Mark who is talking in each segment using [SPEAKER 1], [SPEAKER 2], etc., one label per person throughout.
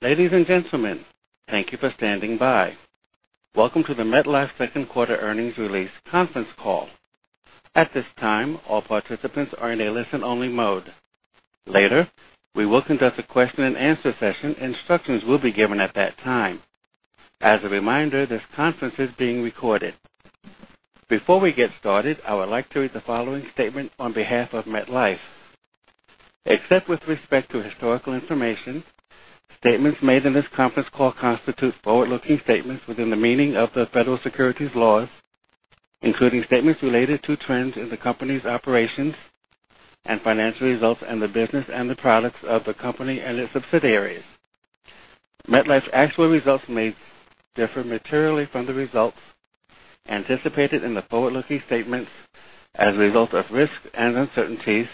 [SPEAKER 1] Ladies and gentlemen, thank you for standing by. Welcome to the MetLife second quarter earnings release conference call. At this time, all participants are in a listen-only mode. Later, we will conduct a question-and-answer session. Instructions will be given at that time. As a reminder, this conference is being recorded. Before we get started, I would like to read the following statement on behalf of MetLife. Except with respect to historical information, statements made in this conference call constitute forward-looking statements within the meaning of the federal securities laws, including statements related to trends in the company's operations and financial results and the business and the products of the company and its subsidiaries. MetLife's actual results may differ materially from the results anticipated in the forward-looking statements as a result of risks and uncertainties,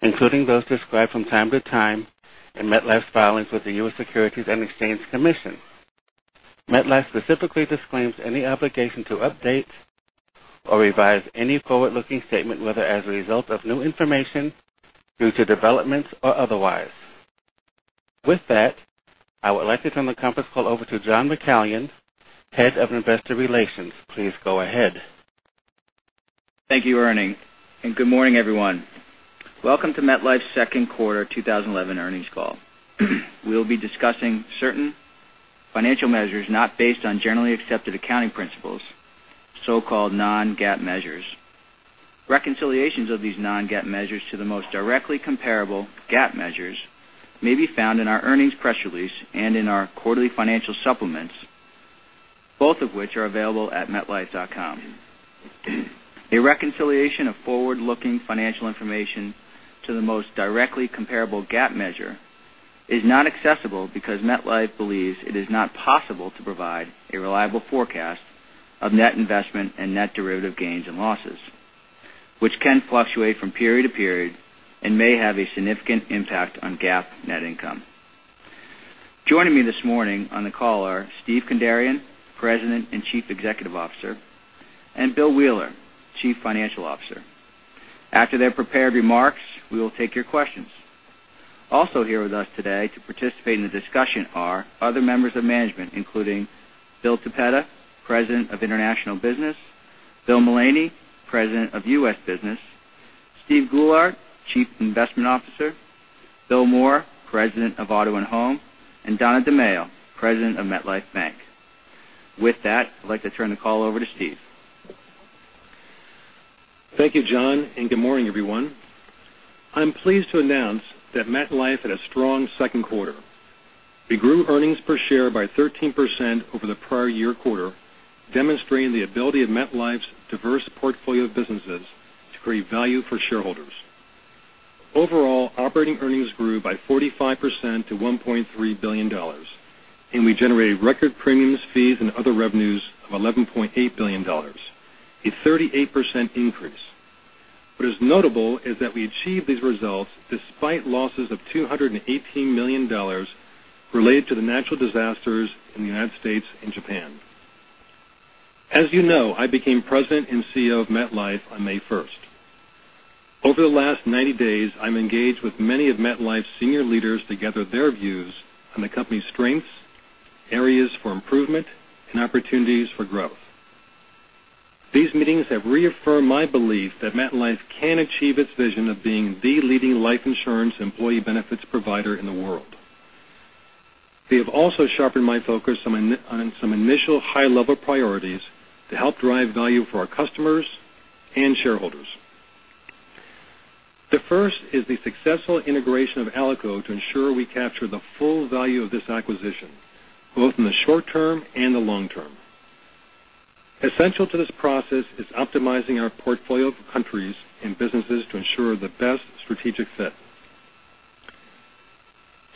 [SPEAKER 1] including those described from time to time in MetLife's filings with the U.S. Securities and Exchange Commission. MetLife specifically disclaims any obligation to update or revise any forward-looking statement, whether as a result of new information due to developments or otherwise. With that, I would like to turn the conference call over to John McCallion, Head of Investor Relations. Please go ahead.
[SPEAKER 2] Thank you, Ernie. Good morning, everyone. Welcome to MetLife's second quarter 2011 earnings call. We'll be discussing certain financial measures not based on Generally Accepted Accounting Principles, so-called non-GAAP measures. Reconciliations of these non-GAAP measures to the most directly comparable GAAP measures may be found in our earnings press release and in our quarterly financial supplements, both of which are available at metlife.com. A reconciliation of forward-looking financial information to the most directly comparable GAAP measure is not accessible because MetLife believes it is not possible to provide a reliable forecast of net investment and net derivative gains and losses, which can fluctuate from period to period and may have a significant impact on GAAP net income. Joining me this morning on the call are Steve Kandarian, President and Chief Executive Officer, and Bill Wheeler, Chief Financial Officer. After their prepared remarks, we will take your questions. Also here with us today to participate in the discussion are other members of management, including Bill Toppeta, President of International Business, Bill Mullaney, President of U.S. Business, Steve Goulart, Chief Investment Officer, Bill Moore, President of MetLife Auto & Home, and DonnaLee DeMaio, President of MetLife Bank. With that, I'd like to turn the call over to Steve.
[SPEAKER 3] Thank you, John, and good morning, everyone. I'm pleased to announce that MetLife had a strong second quarter. We grew earnings per share by 13% over the prior year quarter, demonstrating the ability of MetLife's diverse portfolio of businesses to create value for shareholders. Overall, operating earnings grew by 45% to $1.3 billion. We generated record premiums, fees, and other revenues of $11.8 billion, a 38% increase. What is notable is that we achieved these results despite losses of $218 million related to the natural disasters in the U.S. and Japan. As you know, I became President and CEO of MetLife on May 1st. Over the last 90 days, I'm engaged with many of MetLife's senior leaders to gather their views on the company's strengths, areas for improvement, and opportunities for growth. These meetings have reaffirmed my belief that MetLife can achieve its vision of being the leading life insurance employee benefits provider in the world. They have also sharpened my focus on some initial high-level priorities to help drive value for our customers and shareholders. The first is the successful integration of Alico to ensure we capture the full value of this acquisition, both in the short term and the long term. Essential to this process is optimizing our portfolio of countries and businesses to ensure the best strategic fit.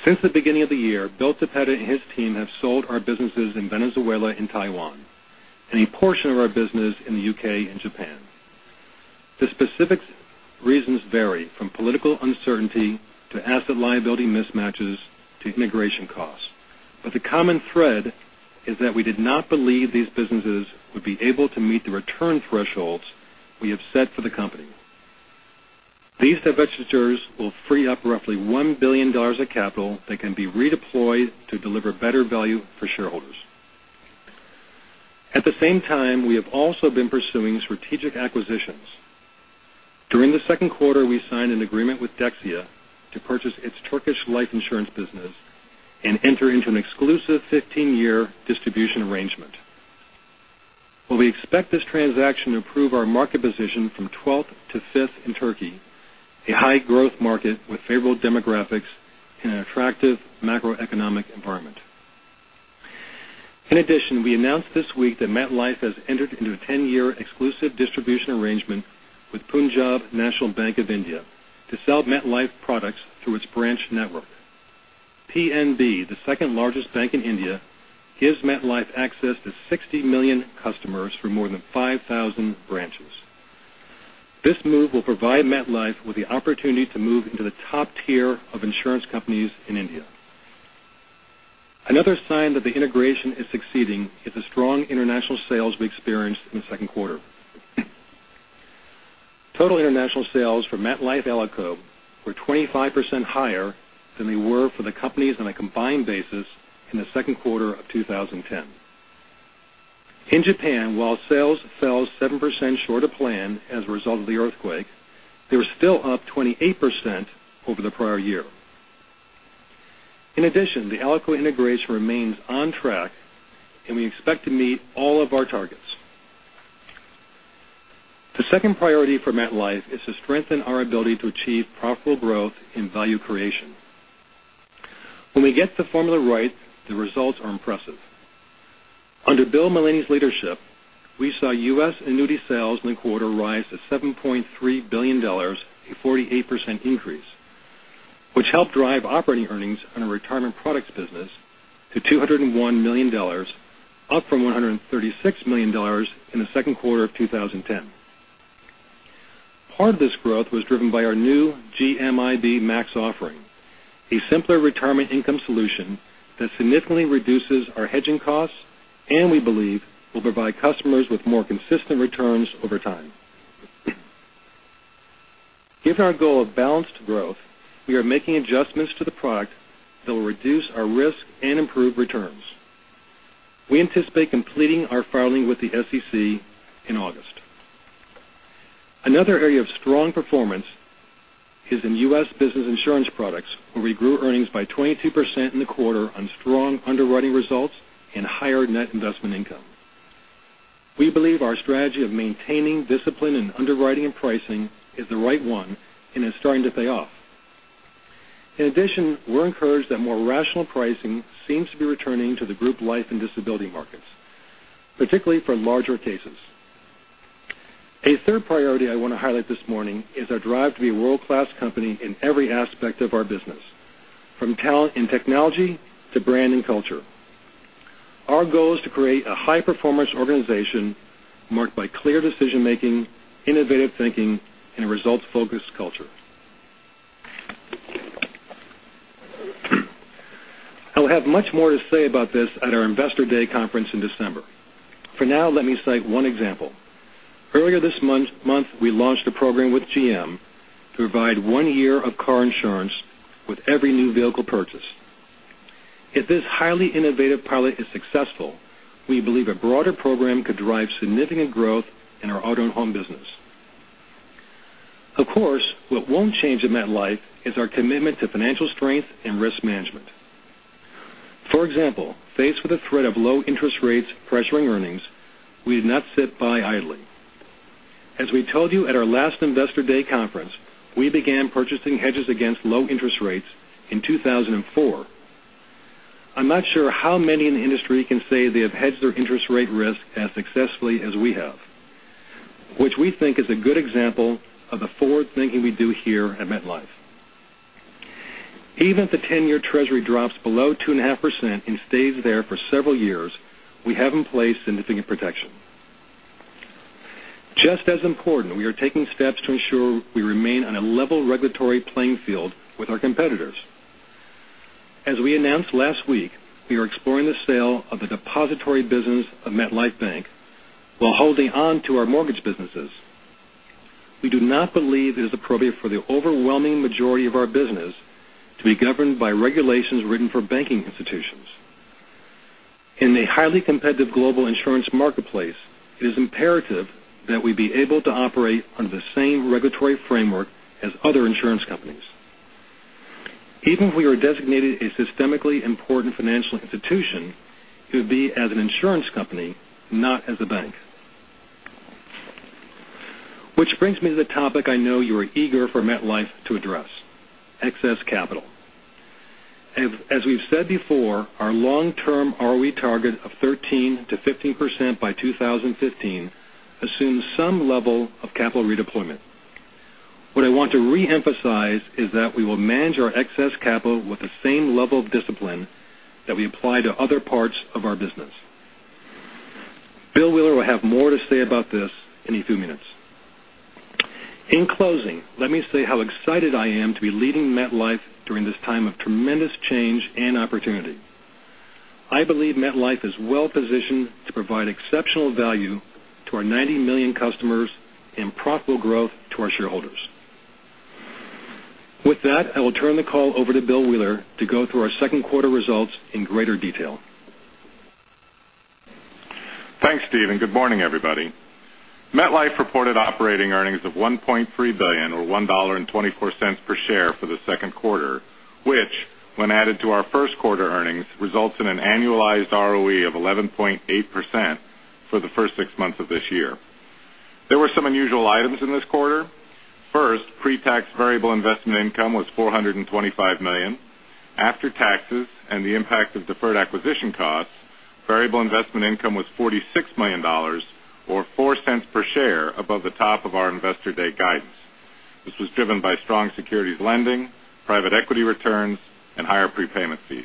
[SPEAKER 3] Since the beginning of the year, Bill Toppeta and his team have sold our businesses in Venezuela and Taiwan, and a portion of our business in the U.K. and Japan. The specific reasons vary from political uncertainty to asset-liability mismatches to integration costs. The common thread is that we did not believe these businesses would be able to meet the return thresholds we have set for the company. These divestitures will free up roughly $1 billion of capital that can be redeployed to deliver better value for shareholders. At the same time, we have also been pursuing strategic acquisitions. During the second quarter, we signed an agreement with Dexia to purchase its Turkish life insurance business and enter into an exclusive 15-year distribution arrangement. While we expect this transaction to improve our market position from 12th to fifth in Turkey, a high-growth market with favorable demographics and an attractive macroeconomic environment. In addition, we announced this week that MetLife has entered into a 10-year exclusive distribution arrangement with Punjab National Bank of India to sell MetLife products through its branch network. PNB, the second largest bank in India, gives MetLife access to 60 million customers through more than 5,000 branches. This move will provide MetLife with the opportunity to move into the top tier of insurance companies in India. Another sign that the integration is succeeding is the strong international sales we experienced in the second quarter. Total international sales for MetLife Alico were 25% higher than they were for the companies on a combined basis in the second quarter of 2010. In Japan, while sales fell 7% short of plan as a result of the earthquake, they were still up 28% over the prior year. In addition, the Alico integration remains on track, and we expect to meet all of our targets. The second priority for MetLife is to strengthen our ability to achieve profitable growth and value creation. When we get the formula right, the results are impressive. Under Bill Mullaney's leadership, we saw U.S. annuity sales in the quarter rise to $7.3 billion, a 48% increase, which helped drive operating earnings on our retirement products business to $201 million, up from $136 million in the second quarter of 2010. Part of this growth was driven by our new GMIB Max offering, a simpler retirement income solution that significantly reduces our hedging costs and we believe will provide customers with more consistent returns over time. Given our goal of balanced growth, we are making adjustments to the product that will reduce our risk and improve returns. We anticipate completing our filing with the SEC in August. Another area of strong performance is in U.S. business insurance products, where we grew earnings by 22% in the quarter on strong underwriting results and higher net investment income. We believe our strategy of maintaining discipline in underwriting and pricing is the right one and is starting to pay off. We're encouraged that more rational pricing seems to be returning to the group life and disability markets, particularly for larger cases. A third priority I want to highlight this morning is our drive to be a world-class company in every aspect of our business, from talent and technology to brand and culture. Our goal is to create a high-performance organization marked by clear decision-making, innovative thinking, and a results-focused culture. I will have much more to say about this at our Investor Day conference in December. For now, let me cite one example. Earlier this month, we launched a program with GM to provide one year of car insurance with every new vehicle purchase. If this highly innovative pilot is successful, we believe a broader program could drive significant growth in our auto and home business. What won't change at MetLife is our commitment to financial strength and risk management. Faced with the threat of low interest rates pressuring earnings, we did not sit by idly. As we told you at our last Investor Day conference, we began purchasing hedges against low interest rates in 2004. I'm not sure how many in the industry can say they have hedged their interest rate risk as successfully as we have, which we think is a good example of the forward thinking we do here at MetLife. Even if the 10-year Treasury drops below 2.5% and stays there for several years, we have in place significant protection. Just as important, we are taking steps to ensure we remain on a level regulatory playing field with our competitors. As we announced last week, we are exploring the sale of the depository business of MetLife Bank while holding on to our mortgage businesses. We do not believe it is appropriate for the overwhelming majority of our business to be governed by regulations written for banking institutions. In a highly competitive global insurance marketplace, it is imperative that we be able to operate under the same regulatory framework as other insurance companies. Even if we are designated a systemically important financial institution, it would be as an insurance company, not as a bank. Which brings me to the topic I know you are eager for MetLife to address, excess capital. As we've said before, our long-term ROE target of 13%-15% by 2015 assumes some level of capital redeployment. What I want to re-emphasize is that we will manage our excess capital with the same level of discipline that we apply to other parts of our business. Bill Wheeler will have more to say about this in a few minutes. In closing, let me say how excited I am to be leading MetLife during this time of tremendous change and opportunity. I believe MetLife is well-positioned to provide exceptional value to our 90 million customers and profitable growth to our shareholders. With that, I will turn the call over to Bill Wheeler to go through our second quarter results in greater detail.
[SPEAKER 4] Thanks, Steve. Good morning, everybody. MetLife reported operating earnings of $1.3 billion, or $1.24 per share for the second quarter, which when added to our first quarter earnings, results in an annualized ROE of 11.8% for the first six months of this year. There were some unusual items in this quarter. First, pretax variable investment income was $425 million. After taxes and the impact of deferred acquisition costs, variable investment income was $46 million, or $0.04 per share above the top of our Investor Day guidance. This was driven by strong securities lending, private equity returns, and higher prepayment fees.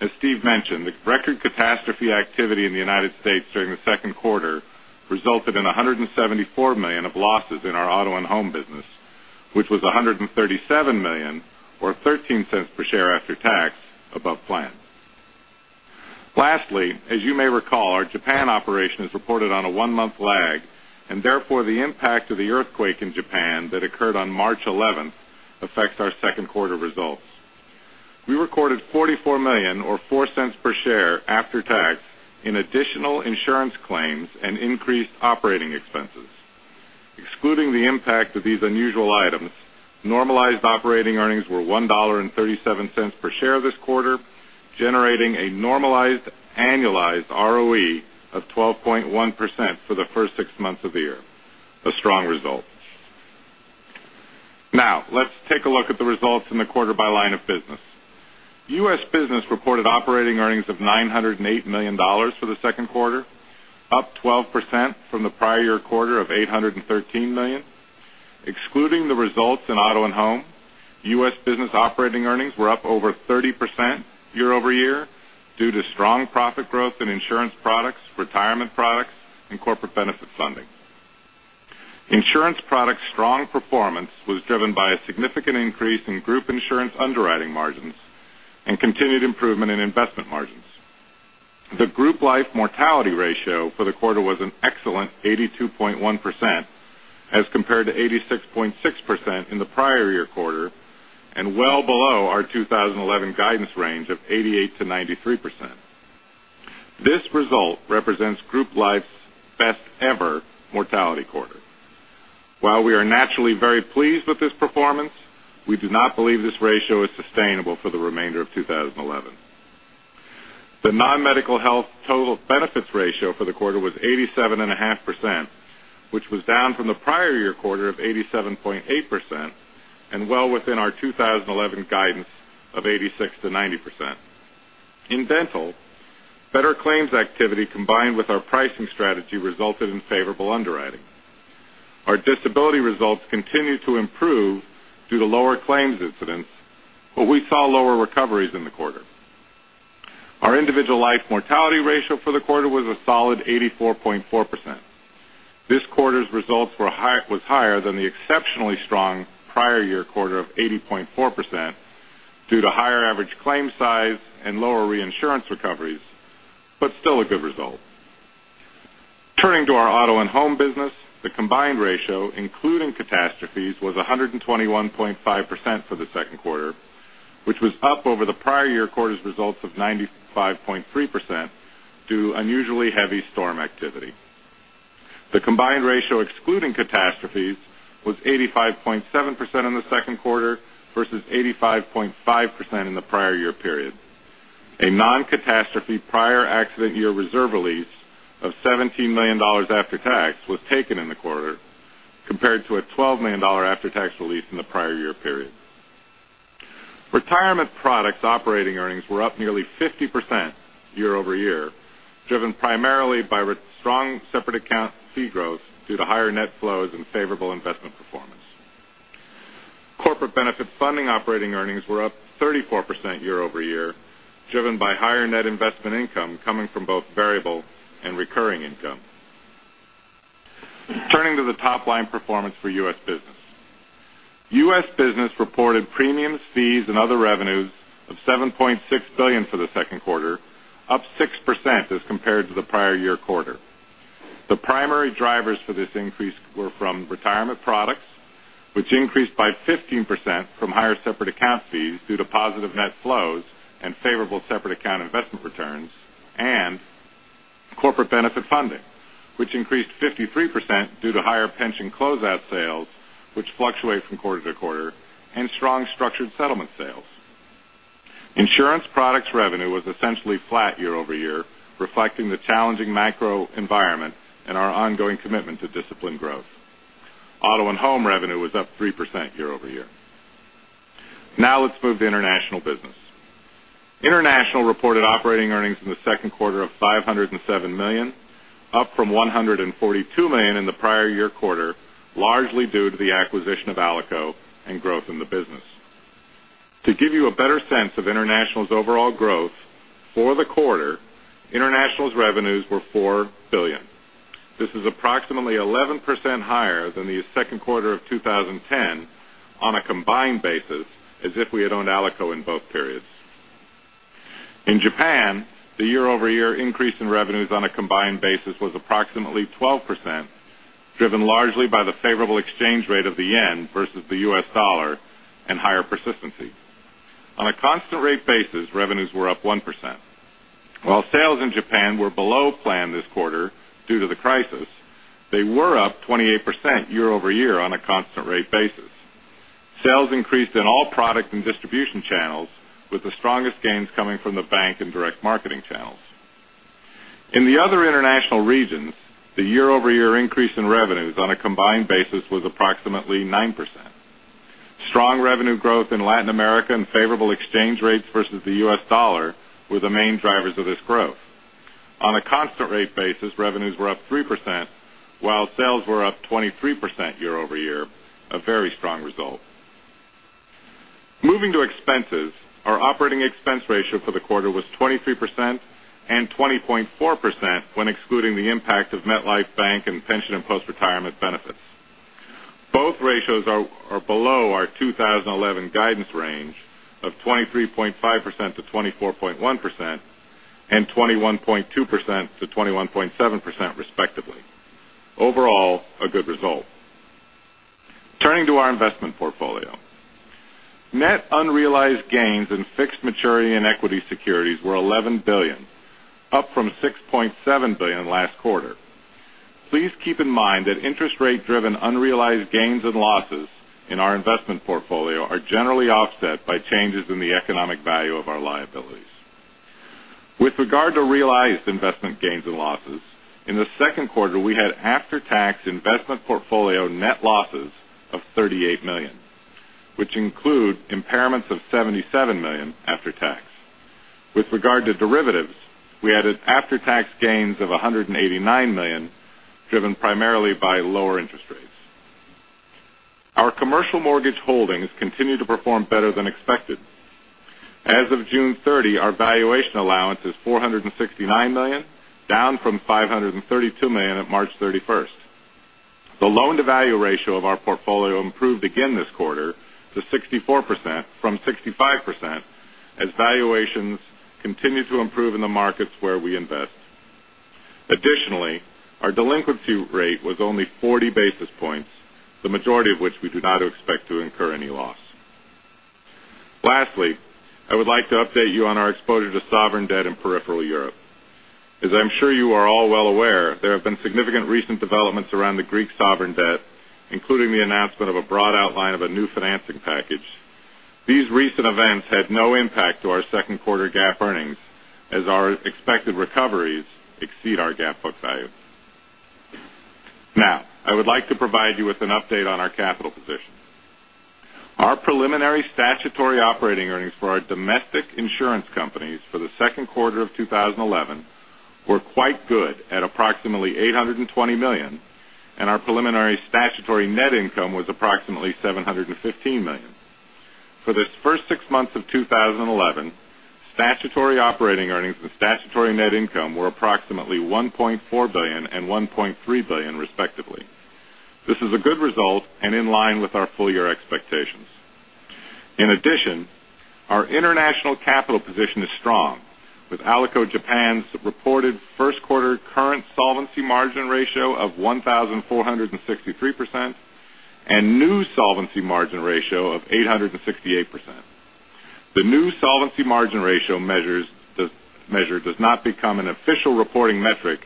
[SPEAKER 4] As Steve mentioned, the record catastrophe activity in the U.S. during the second quarter resulted in $174 million of losses in our auto and home business, which was $137 million, or $0.13 per share after tax above plan. As you may recall, our Japan operation is reported on a one-month lag, therefore the impact of the earthquake in Japan that occurred on March 11th affects our second quarter results. We recorded $44 million, or $0.04 per share after tax, in additional insurance claims and increased operating expenses. Excluding the impact of these unusual items, normalized operating earnings were $1.37 per share this quarter, generating a normalized annualized ROE of 12.1% for the first six months of the year. A strong result. Let's take a look at the results in the quarter by line of business. U.S. business reported operating earnings of $908 million for the second quarter, up 12% from the prior year quarter of $813 million. Excluding the results in auto and home, U.S. business operating earnings were up over 30% year-over-year due to strong profit growth in insurance products, retirement products, and corporate benefit funding. Insurance products' strong performance was driven by a significant increase in group insurance underwriting margins and continued improvement in investment margins. The group life mortality ratio for the quarter was an excellent 82.1%, as compared to 86.6% in the prior year quarter, and well below our 2011 guidance range of 88%-93%. This result represents group life's best ever mortality quarter. While we are naturally very pleased with this performance, we do not believe this ratio is sustainable for the remainder of 2011. The non-medical health total benefits ratio for the quarter was 87.5%, which was down from the prior year quarter of 87.8% and well within our 2011 guidance of 86%-90%. In dental, better claims activity combined with our pricing strategy resulted in favorable underwriting. Our disability results continued to improve due to lower claims incidents, but we saw lower recoveries in the quarter. Our individual life mortality ratio for the quarter was a solid 84.4%. This quarter's results was higher than the exceptionally strong prior year quarter of 80.4% due unusually heavy storm activity, but still a good result. Turning to our auto and home business, the combined ratio, including catastrophes, was 121.5% for the second quarter, which was up over the prior year quarter's results of 95.3% due unusually heavy storm activity. The combined ratio excluding catastrophes was 85.7% in the second quarter versus 85.5% in the prior year period. A non-catastrophe prior accident year reserve release of $17 million after tax was taken in the quarter, compared to a $12 million after-tax release in the prior year period. Retirement products operating earnings were up nearly 50% year-over-year, driven primarily by strong separate account fee growth due to higher net flows and favorable investment performance. Corporate benefit funding operating earnings were up 34% year-over-year, driven by higher net investment income coming from both variable and recurring income. Turning to the top-line performance for U.S. business. U.S. business reported premiums, fees, and other revenues of $7.6 billion for the second quarter, up 6% as compared to the prior year quarter. The primary drivers for this increase were from retirement products, which increased by 15% from higher separate account fees due to positive net flows and favorable separate account investment returns, and corporate benefit funding, which increased 53% due to higher pension closeout sales, which fluctuate from quarter-to-quarter, and strong structured settlement sales. Insurance products revenue was essentially flat year-over-year, reflecting the challenging macroenvironment and our ongoing commitment to disciplined growth. Auto & Home revenue was up 3% year-over-year. Now let's move to international business. International reported operating earnings in the second quarter of $507 million, up from $142 million in the prior year quarter, largely due to the acquisition of Alico and growth in the business. To give you a better sense of international's overall growth for the quarter, international's revenues were $4 billion. This is approximately 11% higher than the second quarter of 2010 on a combined basis, as if we had owned Alico in both periods. In Japan, the year-over-year increase in revenues on a combined basis was approximately 12%, driven largely by the favorable exchange rate of the yen versus the U.S. dollar and higher persistency. On a constant rate basis, revenues were up 1%. While sales in Japan were below plan this quarter due to the crisis, they were up 28% year-over-year on a constant rate basis. Sales increased in all product and distribution channels, with the strongest gains coming from the bank and direct marketing channels. In the other international regions, the year-over-year increase in revenues on a combined basis was approximately 9%. Strong revenue growth in Latin America and favorable exchange rates versus the U.S. dollar were the main drivers of this growth. On a constant rate basis, revenues were up 3%, while sales were up 23% year-over-year, a very strong result. Moving to expenses, our operating expense ratio for the quarter was 23% and 20.4% when excluding the impact of MetLife Bank and pension and post-retirement benefits. Both ratios are below our 2011 guidance range of 23.5%-24.1% and 21.2%-21.7%, respectively. Overall, a good result. Turning to our investment portfolio. Net unrealized gains in fixed maturity and equity securities were $11 billion, up from $6.7 billion last quarter. Please keep in mind that interest rate-driven unrealized gains and losses in our investment portfolio are generally offset by changes in the economic value of our liabilities. With regard to realized investment gains and losses, in the second quarter, we had after-tax investment portfolio net losses of $38 million, which include impairments of $77 million after tax. With regard to derivatives, we added after-tax gains of $189 million, driven primarily by lower interest rates. Our commercial mortgage holdings continue to perform better than expected. As of June 30, our valuation allowance is $469 million, down from $532 million at March 31st. The loan-to-value ratio of our portfolio improved again this quarter to 64% from 65% as valuations continue to improve in the markets where we invest. Additionally, our delinquency rate was only 40 basis points, the majority of which we do not expect to incur any loss. Lastly, I would like to update you on our exposure to sovereign debt in peripheral Europe. As I'm sure you are all well aware, there have been significant recent developments around the Greek sovereign debt, including the announcement of a broad outline of a new financing package. These recent events had no impact to our second quarter GAAP earnings, as our expected recoveries exceed our GAAP book value. I would like to provide you with an update on our capital position. Our preliminary statutory operating earnings for our domestic insurance companies for the second quarter of 2011 were quite good at approximately $820 million, and our preliminary statutory net income was approximately $715 million. For this first six months of 2011, statutory operating earnings and statutory net income were approximately $1.4 billion and $1.3 billion, respectively. This is a good result and in line with our full-year expectations. In addition, our international capital position is strong with Alico Japan's reported first quarter current solvency margin ratio of 1,463% and new solvency margin ratio of 868%. The new solvency margin ratio measure does not become an official reporting metric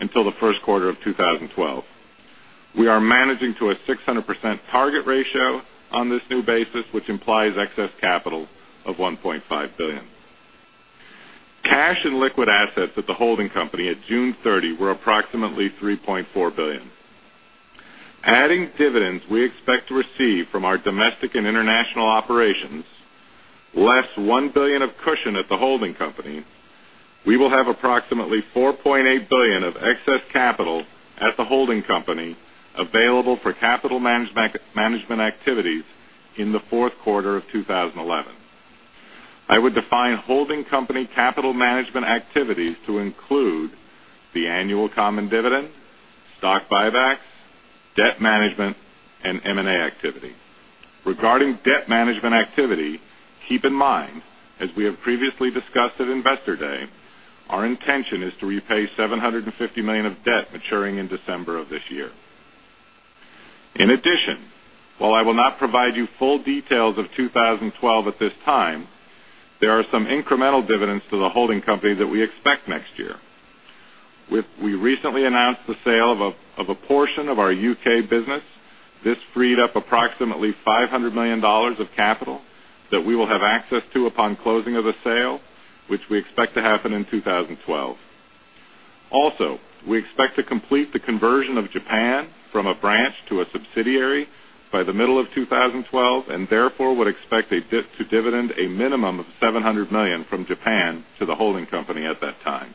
[SPEAKER 4] until the first quarter of 2012. We are managing to a 600% target ratio on this new basis, which implies excess capital of $1.5 billion. Cash and liquid assets at the holding company at June 30 were approximately $3.4 billion. Adding dividends we expect to receive from our domestic and international operations, less $1 billion of cushion at the holding company, we will have approximately $4.8 billion of excess capital at the holding company available for capital management activities in the fourth quarter of 2011. I would define holding company capital management activities to include the annual common dividend, stock buybacks, debt management, and M&A activity. Regarding debt management activity, keep in mind, as we have previously discussed at Investor Day, our intention is to repay $750 million of debt maturing in December of this year. In addition, while I will not provide you full details of 2012 at this time, there are some incremental dividends to the holding company that we expect next year. We recently announced the sale of a portion of our U.K. business. This freed up approximately $500 million of capital that we will have access to upon closing of the sale, which we expect to happen in 2012. Also, we expect to complete the conversion of Japan from a branch to a subsidiary by the middle of 2012, and therefore would expect to dividend a minimum of $700 million from Japan to the holding company at that time.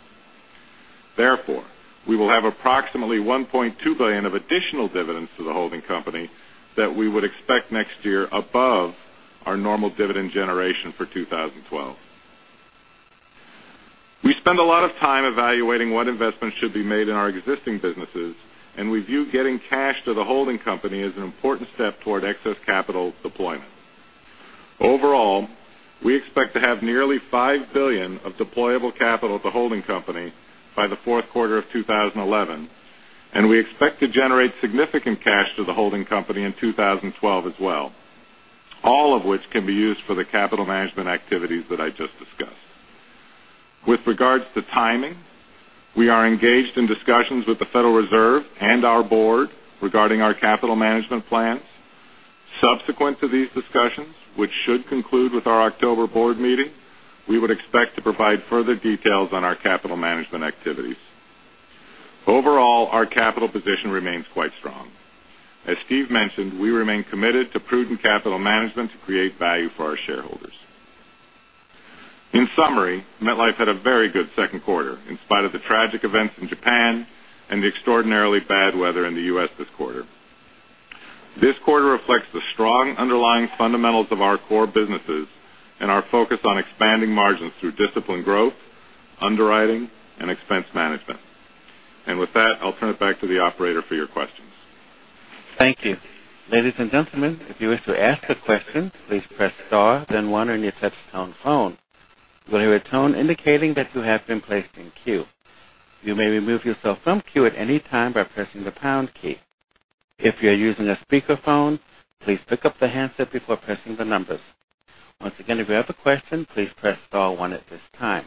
[SPEAKER 4] We will have approximately $1.2 billion of additional dividends to the holding company that we would expect next year above our normal dividend generation for 2012. We spend a lot of time evaluating what investments should be made in our existing businesses, and we view getting cash to the holding company as an important step toward excess capital deployment. Overall, we expect to have nearly $5 billion of deployable capital at the holding company by the fourth quarter of 2011, and we expect to generate significant cash to the holding company in 2012 as well, all of which can be used for the capital management activities that I just discussed. With regards to timing, we are engaged in discussions with the Federal Reserve and our board regarding our capital management plans. Subsequent to these discussions, which should conclude with our October board meeting, we would expect to provide further details on our capital management activities. Overall, our capital position remains quite strong. As Steven mentioned, we remain committed to prudent capital management to create value for our shareholders. In summary, MetLife had a very good second quarter in spite of the tragic events in Japan and the extraordinarily bad weather in the U.S. this quarter. This quarter reflects the strong underlying fundamentals of our core businesses and our focus on expanding margins through disciplined growth, underwriting, and expense management. With that, I'll turn it back to the operator for your questions.
[SPEAKER 1] Thank you. Ladies and gentlemen, if you wish to ask a question, please press star then one on your touchtone phone. You'll hear a tone indicating that you have been placed in queue. You may remove yourself from queue at any time by pressing the pound key. If you're using a speakerphone, please pick up the handset before pressing the numbers. Once again, if you have a question, please press star one at this time.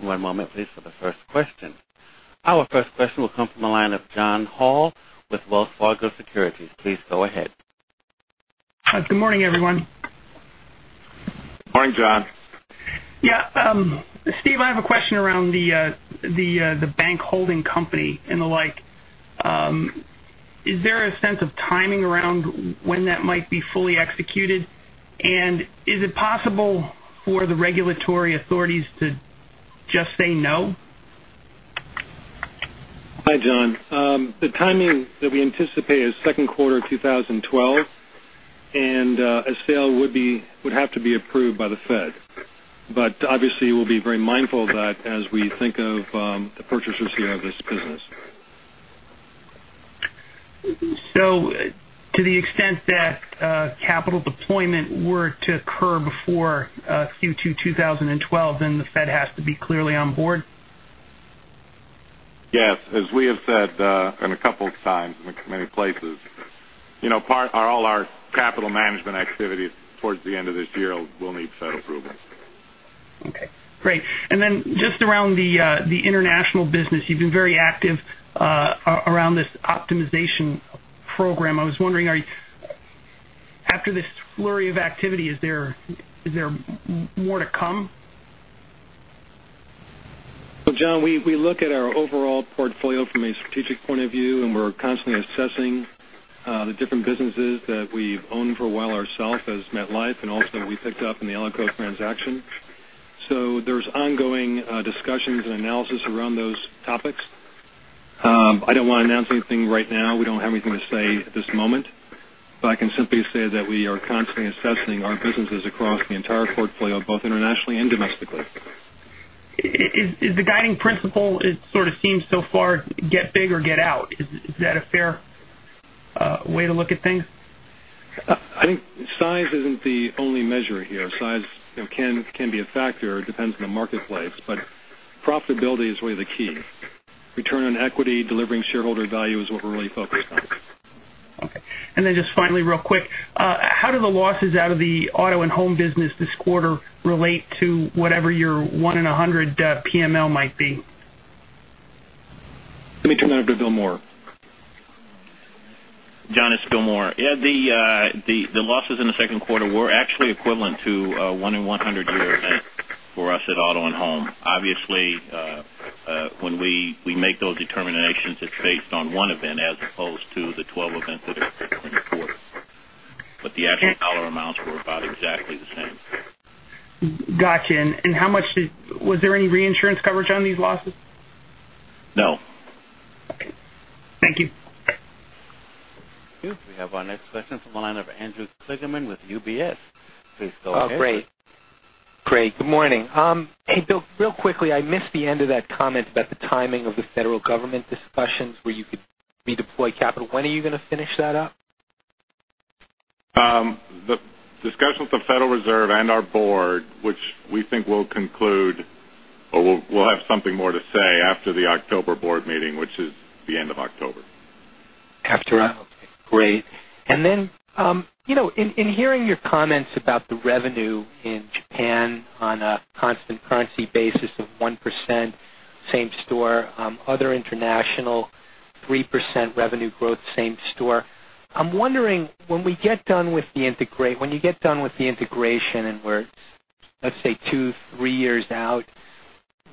[SPEAKER 1] One moment please for the first question. Our first question will come from the line of John Hall with Wells Fargo Securities. Please go ahead.
[SPEAKER 5] Good morning, everyone.
[SPEAKER 4] Morning, John.
[SPEAKER 5] Yeah. Steve, I have a question around the bank holding company and the like. Is there a sense of timing around when that might be fully executed? Is it possible for the regulatory authorities to just say no?
[SPEAKER 3] Hi, John. The timing that we anticipate is second quarter 2012. A sale would have to be approved by the Fed. Obviously, we'll be very mindful of that as we think of the purchasers who have this business.
[SPEAKER 5] To the extent that capital deployment were to occur before Q2 2012, then the Fed has to be clearly on board?
[SPEAKER 4] Yes. As we have said, a couple of times in many places, all our capital management activities towards the end of this year will need Fed approval.
[SPEAKER 5] Okay, great. Just around the international business, you've been very active around this optimization program. I was wondering, after this flurry of activity, is there more to come?
[SPEAKER 3] Well, John, we look at our overall portfolio from a strategic point of view, and we're constantly assessing the different businesses that we've owned for a while ourselves as MetLife, and also we picked up in the Alico transaction. There's ongoing discussions and analysis around those topics. I don't want to announce anything right now. We don't have anything to say at this moment. I can simply say that we are constantly assessing our businesses across the entire portfolio, both internationally and domestically.
[SPEAKER 5] Is the guiding principle, it sort of seems so far, get big or get out? Is that a fair way to look at things?
[SPEAKER 3] I think size isn't the only measure here. Size can be a factor, it depends on the marketplace, profitability is really the key. Return on equity, delivering shareholder value is what we're really focused on.
[SPEAKER 5] Okay. Then just finally, real quick, how do the losses out of the auto and home business this quarter relate to whatever your one in 100 PML might be?
[SPEAKER 3] Let me turn that over to Bill Moore.
[SPEAKER 6] John, it's Bill Moore. Yeah, the losses in the second quarter were actually equivalent to a one in 100 year event for us at Auto & Home. Obviously, when we make those determinations, it's based on one event as opposed to the 12 events that occur in a quarter. The actual dollar amounts were about exactly the same.
[SPEAKER 5] Got you. Was there any reinsurance coverage on these losses?
[SPEAKER 6] No.
[SPEAKER 5] Okay. Thank you. Bye.
[SPEAKER 1] We have our next question from the line of Andrew Kligerman with UBS. Please go ahead.
[SPEAKER 7] Oh, great. Craig, good morning. Hey, Bill, real quickly, I missed the end of that comment about the timing of the Federal Reserve discussions where you could redeploy capital. When are you going to finish that up?
[SPEAKER 4] The discussions with the Federal Reserve and our board, which we think will conclude or we'll have something more to say after the October board meeting, which is the end of October.
[SPEAKER 7] After. Okay, great. In hearing your comments about the revenue in Japan on a constant currency basis of 1%, same store, other international 3% revenue growth, same store. I'm wondering, when you get done with the integration and we're, let's say two, three years out,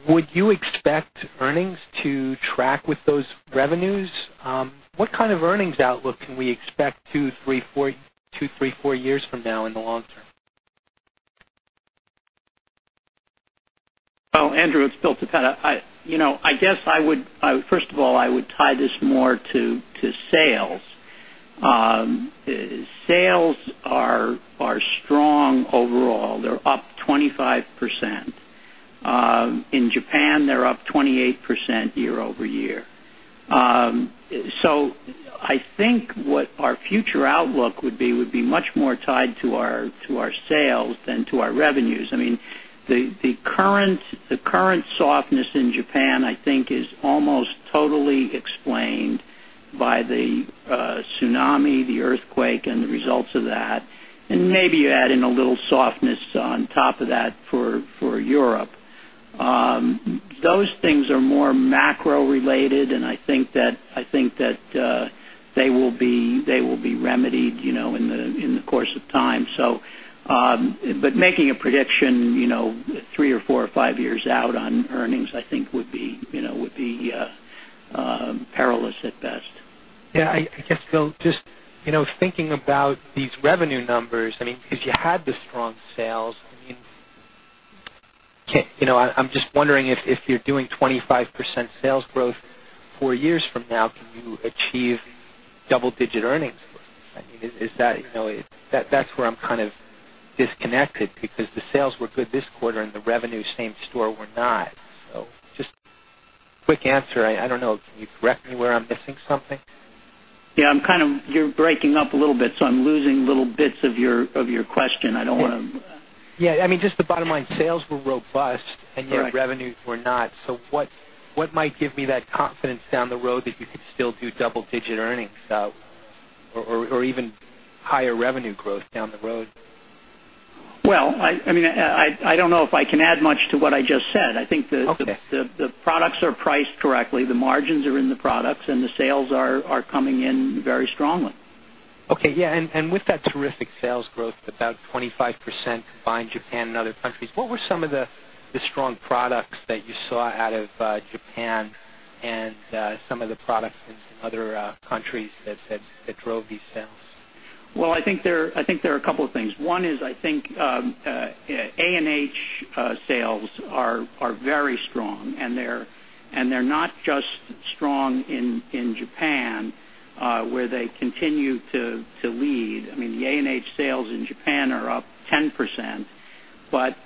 [SPEAKER 7] would you expect earnings to track with those revenues? What kind of earnings outlook can we expect two, three, four years from now in the long term?
[SPEAKER 8] Well, Andrew Kligerman, it's Bill Toppeta. I guess, first of all, I would tie this more to sales. Sales are strong overall. They're up 25%. In Japan, they're up 28% year-over-year. I think what our future outlook would be would be much more tied to our sales than to our revenues. I mean, the current softness in Japan, I think is almost totally explained by the tsunami, the earthquake, and the results of that, and maybe you add in a little softness on top of that for Europe. Those things are more macro related, and I think that they will be remedied in the course of time. Making a prediction three or four or five years out on earnings, I think would be perilous at best.
[SPEAKER 7] Yeah. I guess, Bill, just thinking about these revenue numbers, I mean, because you had the strong sales. I mean, I'm just wondering if you're doing 25% sales growth four years from now, can you achieve Double-digit earnings growth. That's where I'm kind of disconnected because the sales were good this quarter and the revenue same store were not. Just quick answer, I don't know, can you correct me where I'm missing something?
[SPEAKER 8] Yeah, you're breaking up a little bit, so I'm losing little bits of your question. I don't want to-
[SPEAKER 7] Yeah. Just the bottom line, sales were robust and yet revenues were not. What might give me that confidence down the road that you could still do double-digit earnings or even higher revenue growth down the road?
[SPEAKER 8] Well, I don't know if I can add much to what I just said.
[SPEAKER 7] Okay.
[SPEAKER 8] I think the products are priced correctly, the margins are in the products, and the sales are coming in very strongly.
[SPEAKER 7] Okay. Yeah, with that terrific sales growth, about 25% combined, Japan and other countries, what were some of the strong products that you saw out of Japan and some of the products in some other countries that drove these sales?
[SPEAKER 8] Well, I think there are a couple of things. One is, I think A&H sales are very strong, they're not just strong in Japan, where they continue to lead. The A&H sales in Japan are up 10%,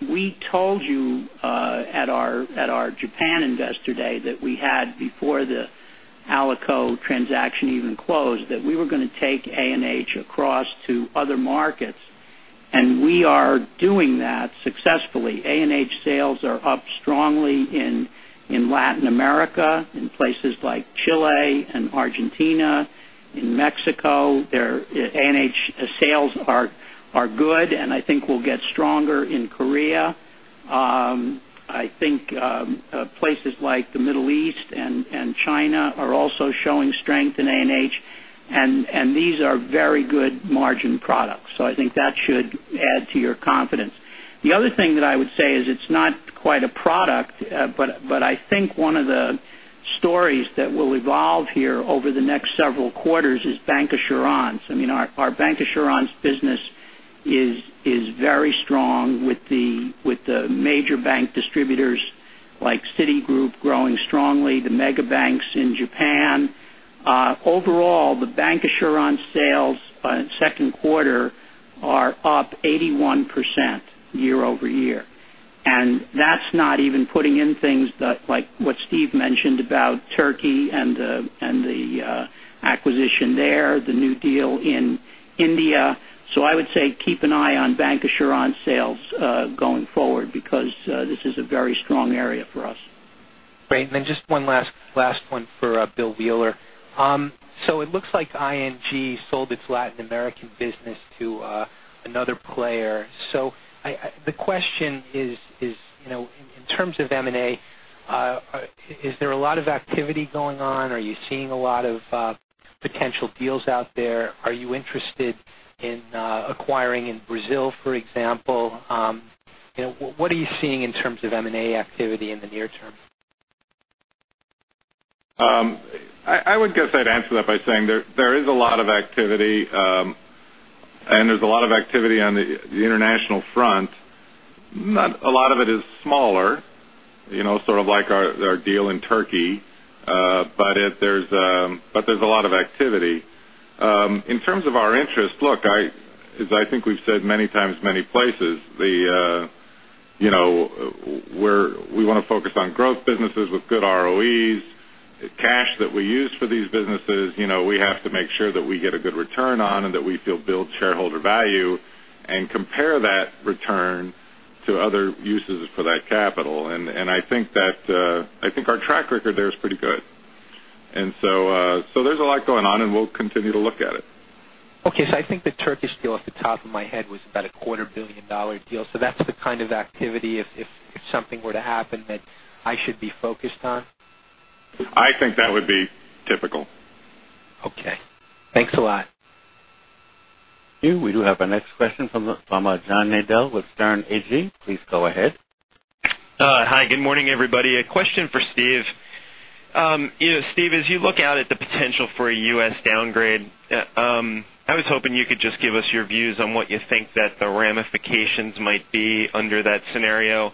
[SPEAKER 8] we told you at our Japan Investor Day that we had before the Alico transaction even closed, that we were going to take A&H across to other markets, we are doing that successfully. A&H sales are up strongly in Latin America, in places like Chile and Argentina. In Mexico, A&H sales are good, I think will get stronger in Korea. I think places like the Middle East and China are also showing strength in A&H, these are very good margin products. I think that should add to your confidence. The other thing that I would say is it's not quite a product, I think one of the stories that will evolve here over the next several quarters is bancassurance. Our bancassurance business is very strong with the major bank distributors like Citigroup growing strongly, the mega banks in Japan. Overall, the bancassurance sales on second quarter are up 81% year-over-year. That's not even putting in things like what Steve mentioned about Turkey and the acquisition there, the new deal in India. I would say keep an eye on bancassurance sales going forward because this is a very strong area for us.
[SPEAKER 7] Great. Just one last one for Bill Wheeler. It looks like ING sold its Latin American business to another player. The question is, in terms of M&A, is there a lot of activity going on? Are you seeing a lot of potential deals out there? Are you interested in acquiring in Brazil, for example? What are you seeing in terms of M&A activity in the near term?
[SPEAKER 4] I would guess I'd answer that by saying there is a lot of activity, and there's a lot of activity on the international front. A lot of it is smaller, sort of like our deal in Turkey. There's a lot of activity. In terms of our interest, look, as I think we've said many times, many places, we want to focus on growth businesses with good ROEs. The cash that we use for these businesses, we have to make sure that we get a good return on and that we feel builds shareholder value, and compare that return to other uses for that capital. I think our track record there is pretty good. There's a lot going on, and we'll continue to look at it.
[SPEAKER 7] Okay. I think the Turkish deal off the top of my head was about a quarter billion dollar deal. That's the kind of activity, if something were to happen, that I should be focused on?
[SPEAKER 4] I think that would be typical.
[SPEAKER 7] Okay. Thanks a lot.
[SPEAKER 1] We do have our next question from John Nadel with Sterne Agee. Please go ahead.
[SPEAKER 9] Hi, good morning, everybody. A question for Steve. Steve, as you look out at the potential for a U.S. downgrade, I was hoping you could just give us your views on what you think that the ramifications might be under that scenario,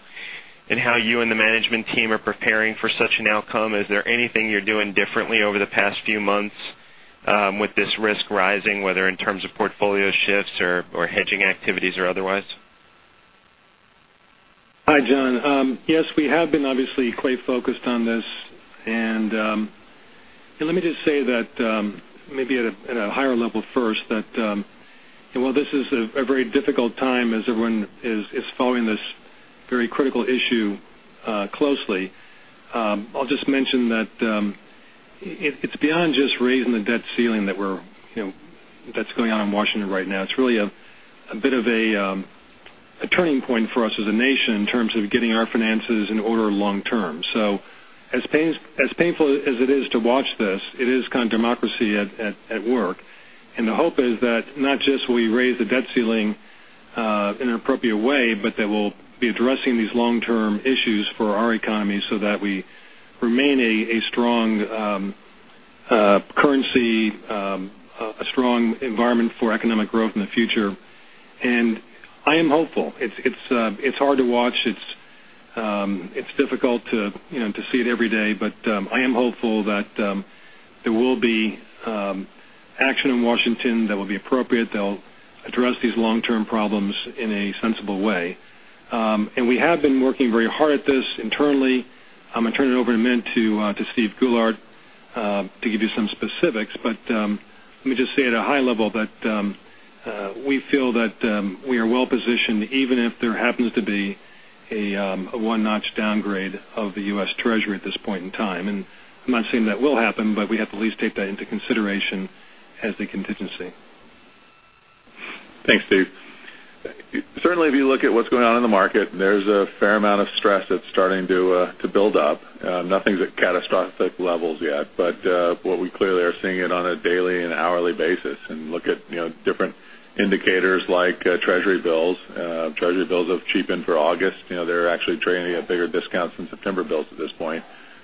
[SPEAKER 9] and how you and the management team are preparing for such an outcome. Is there anything you're doing differently over the past few months with this risk rising, whether in terms of portfolio shifts or hedging activities or otherwise?
[SPEAKER 3] Hi, John. Yes, we have been obviously quite focused on this. Let me just say that, maybe at a higher level first, that while this is a very difficult time as everyone is following this very critical issue closely, I'll just mention that it's beyond just raising the debt ceiling that's going on in Washington right now. It's really a bit of a turning point for us as a nation in terms of getting our finances in order long-term. As painful as it is to watch this, it is kind of democracy at work. The hope is that not just will we raise the debt ceiling in an appropriate way, but that we'll be addressing these long-term issues for our economy so that we remain a strong currency, a strong environment for economic growth in the future. I am hopeful. It's hard to watch. It's difficult to see it every day, but I am hopeful that there will be action in Washington that will be appropriate, that'll address these long-term problems in a sensible way. We have been working very hard at this internally. I'm going to turn it over in a minute to Steven Goulart to give you some specifics. Let me just say at a high level that we feel that we are well-positioned even if there happens to be a one-notch downgrade of the U.S. Treasury at this point in time. I'm not saying that will happen, but we have to at least take that into consideration as the contingency.
[SPEAKER 10] Thanks, Steve. Certainly, if you look at what's going on in the market, there's a fair amount of stress that's starting to build up. Nothing's at catastrophic levels yet, but what we clearly are seeing it on a daily and hourly basis. Look at different indicators like treasury bills. Treasury bills have cheapened for August. They're actually trading at bigger discounts than September bills at this point.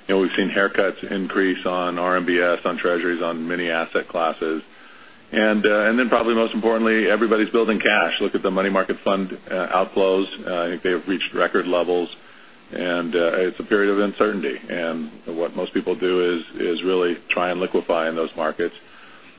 [SPEAKER 10] We've seen haircuts increase on RMBS, on treasuries, on many asset classes. Then probably most importantly, everybody's building cash. Look at the money market fund outflows. I think they have reached record levels. It's a period of uncertainty. What most people do is really try and liquefy in those markets.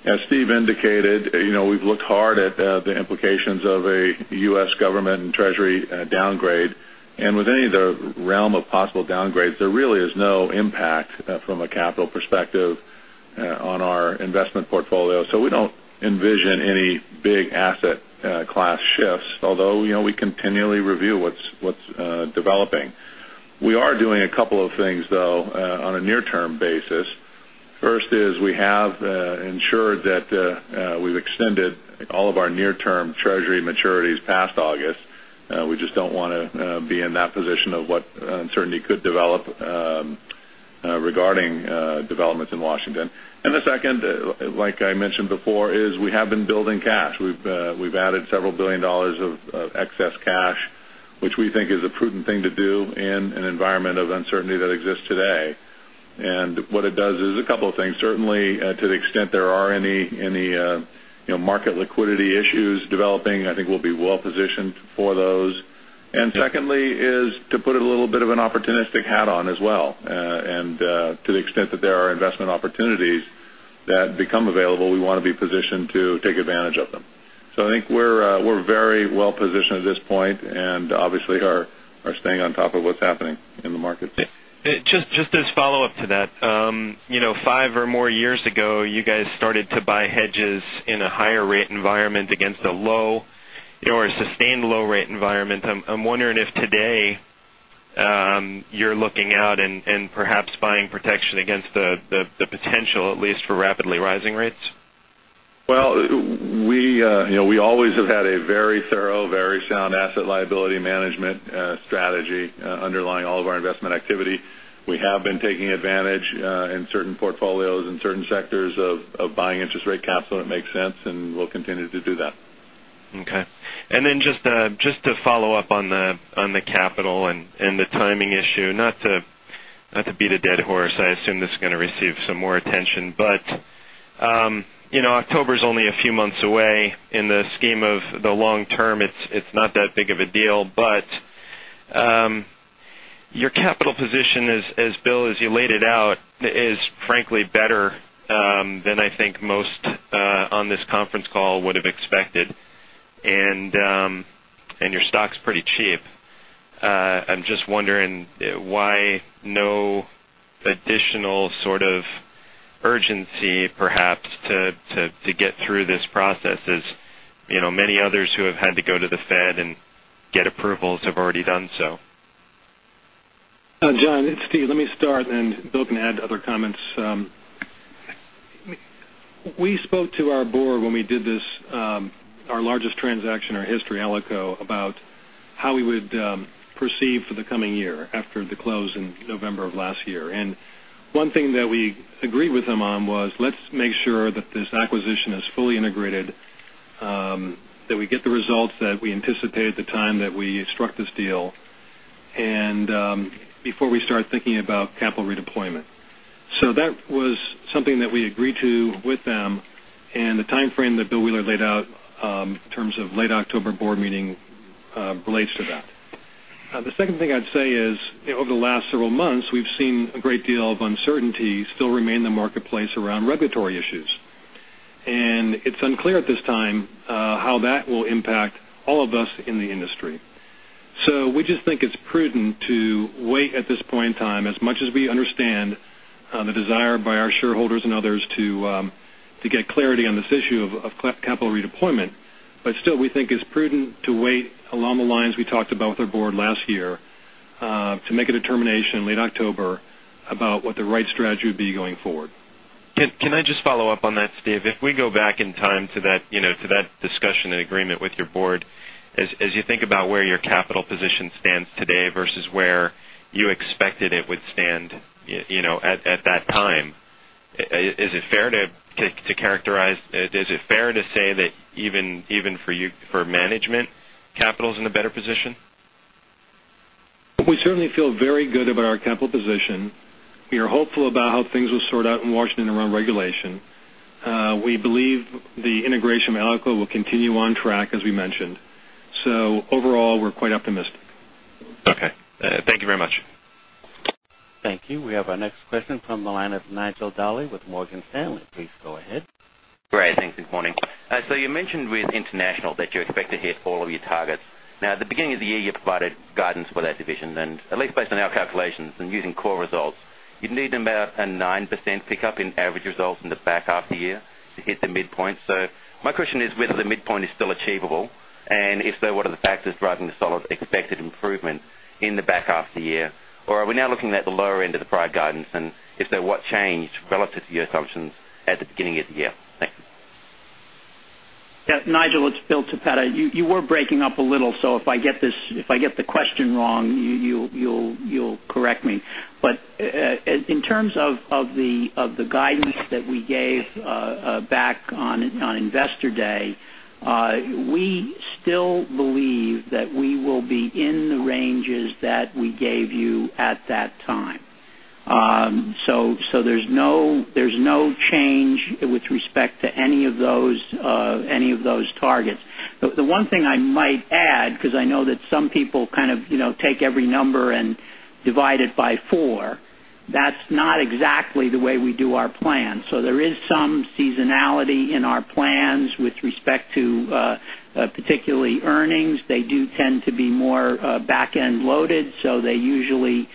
[SPEAKER 10] As Steve indicated, we've looked hard at the implications of a U.S. government and treasury downgrade. Within the realm of possible downgrades, there really is no impact from a capital perspective on our investment portfolio. We don't envision any big asset class shifts, although we continually review what's developing. We are doing a couple of things, though on a near-term basis. First is we have ensured that we've extended all of our near-term treasury maturities past August. We just don't want to be in that position of what uncertainty could develop regarding developments in Washington. The second, like I mentioned before, is we have been building cash. We've added $several billion of excess cash, which we think is a prudent thing to do in an environment of uncertainty that exists today. What it does is a couple of things. Certainly, to the extent there are any market liquidity issues developing, I think we'll be well positioned for those. Secondly is to put a little bit of an opportunistic hat on as well. To the extent that there are investment opportunities that become available, we want to be positioned to take advantage of them. I think we're very well positioned at this point and obviously are staying on top of what's happening in the markets.
[SPEAKER 9] Just as follow-up to that. Five or more years ago, you guys started to buy hedges in a higher rate environment against a low or a sustained low rate environment. I'm wondering if today you're looking out and perhaps buying protection against the potential, at least, for rapidly rising rates.
[SPEAKER 10] Well, we always have had a very thorough, very sound asset liability management strategy underlying all of our investment activity. We have been taking advantage in certain portfolios and certain sectors of buying interest rate caps when it makes sense, we'll continue to do that.
[SPEAKER 9] Okay. Just to follow up on the capital and the timing issue. Not to beat a dead horse. I assume this is going to receive some more attention, October's only a few months away. In the scheme of the long term, it's not that big of a deal. Your capital position, Bill, as you laid it out, is frankly better than I think most on this conference call would have expected. Your stock's pretty cheap. I'm just wondering why no additional sort of urgency, perhaps, to get through this process as many others who have had to go to the Fed and get approvals have already done so.
[SPEAKER 3] John, it's Steve. Let me start, Bill can add other comments. We spoke to our board when we did this, our largest transaction in our history, Alico, about how we would proceed for the coming year after the close in November of last year. One thing that we agreed with them on was let's make sure that this acquisition is fully integrated, that we get the results that we anticipated at the time that we struck this deal, before we start thinking about capital redeployment. That was something that we agreed to with them. The timeframe that William Wheeler laid out in terms of late October board meeting relates to that. The second thing I'd say is over the last several months, we've seen a great deal of uncertainty still remain in the marketplace around regulatory issues. It's unclear at this time how that will impact all of us in the industry. We just think it's prudent to wait at this point in time. As much as we understand the desire by our shareholders and others to get clarity on this issue of capital redeployment. Still, we think it's prudent to wait along the lines we talked about with our board last year to make a determination in late October about what the right strategy would be going forward.
[SPEAKER 9] Can I just follow up on that, Steve? If we go back in time to that discussion and agreement with your board. As you think about where your capital position stands today versus where you expected it would stand at that time, is it fair to say that even for management, capital's in a better position?
[SPEAKER 3] We certainly feel very good about our capital position. We are hopeful about how things will sort out in Washington around regulation. We believe the integration with Alico will continue on track as we mentioned. Overall, we're quite optimistic.
[SPEAKER 9] Okay. Thank you very much.
[SPEAKER 1] Thank you. We have our next question from the line of Nigel Dally with Morgan Stanley. Please go ahead.
[SPEAKER 11] Great, thanks. Good morning. You mentioned with international that you expect to hit all of your targets. At the beginning of the year, you provided guidance for that division, and at least based on our calculations when using core results, you'd need about a 9% pickup in average results in the back half of the year to hit the midpoint. My question is whether the midpoint is still achievable, and if so, what are the factors driving the solid expected improvement in the back half of the year? Are we now looking at the lower end of the prior guidance? If so, what changed relative to your assumptions at the beginning of the year? Thank you.
[SPEAKER 8] Yeah, Nigel, it's Bill Toppeta. You were breaking up a little, so if I get the question wrong, you'll correct me. In terms of the guidance that we gave back on Investor Day, we still believe that we will be in the ranges that we gave you at that time. There's no change with respect to any of those targets. The one thing I might add, because I know that some people take every number and divide it by four, that's not exactly the way we do our plan. There is some seasonality in our plans with respect to particularly earnings. They do tend to be more back-end loaded, so they usually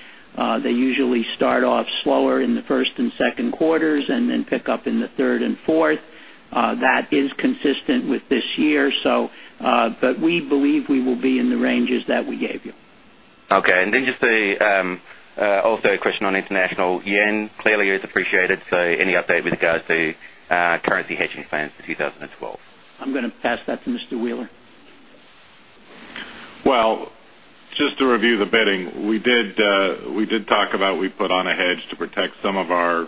[SPEAKER 8] start off slower in the first and second quarters and then pick up in the third and fourth. That is consistent with this year. We believe we will be in the ranges that we gave you.
[SPEAKER 11] Okay. Just also a question on international JPY. Clearly it's appreciated, so any update with regards to currency hedging plans for 2012?
[SPEAKER 8] I'm going to pass that to Mr. Wheeler.
[SPEAKER 3] Well, just to review the betting, we did talk about, we put on a hedge to protect some of our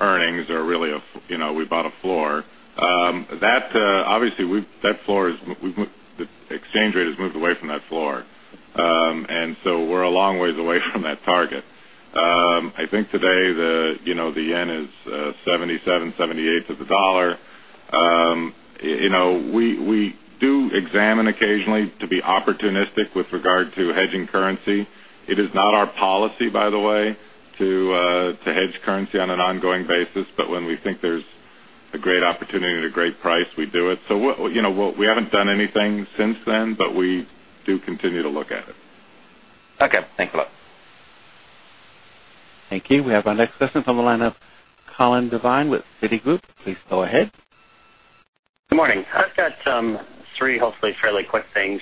[SPEAKER 3] earnings or really, we bought a floor. Obviously, the exchange rate has moved away from that floor. We're a long way away from that target. I think today, the JPY is 77, 78 to the dollar. We do examine occasionally to be opportunistic with regard to hedging currency. It is not our policy, by the way, to hedge currency on an ongoing basis, but when we think there's a great opportunity at a great price, we do it. We haven't done anything since then, but we do continue to look at it.
[SPEAKER 11] Okay. Thanks a lot.
[SPEAKER 1] Thank you. We have our next question from the line of Colin Devine with Citigroup. Please go ahead.
[SPEAKER 12] Good morning. I've got three hopefully fairly quick things.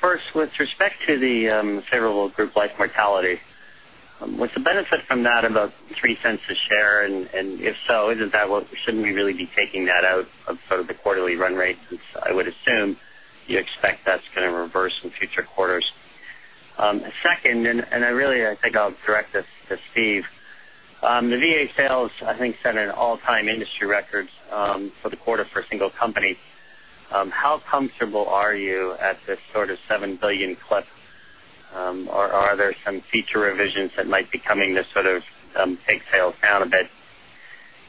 [SPEAKER 12] First, with respect to the favorable group life mortality, was the benefit from that about $0.03 a share? If so, shouldn't we really be taking that out of sort of the quarterly run rate, since I would assume you expect that's going to reverse in future quarters? Second, and I really, I think I'll direct this to Steve. The VA sales, I think, set an all-time industry records for the quarter for a single company. How comfortable are you at this sort of $7 billion clip? Or are there some future revisions that might be coming to sort of take sales down a bit?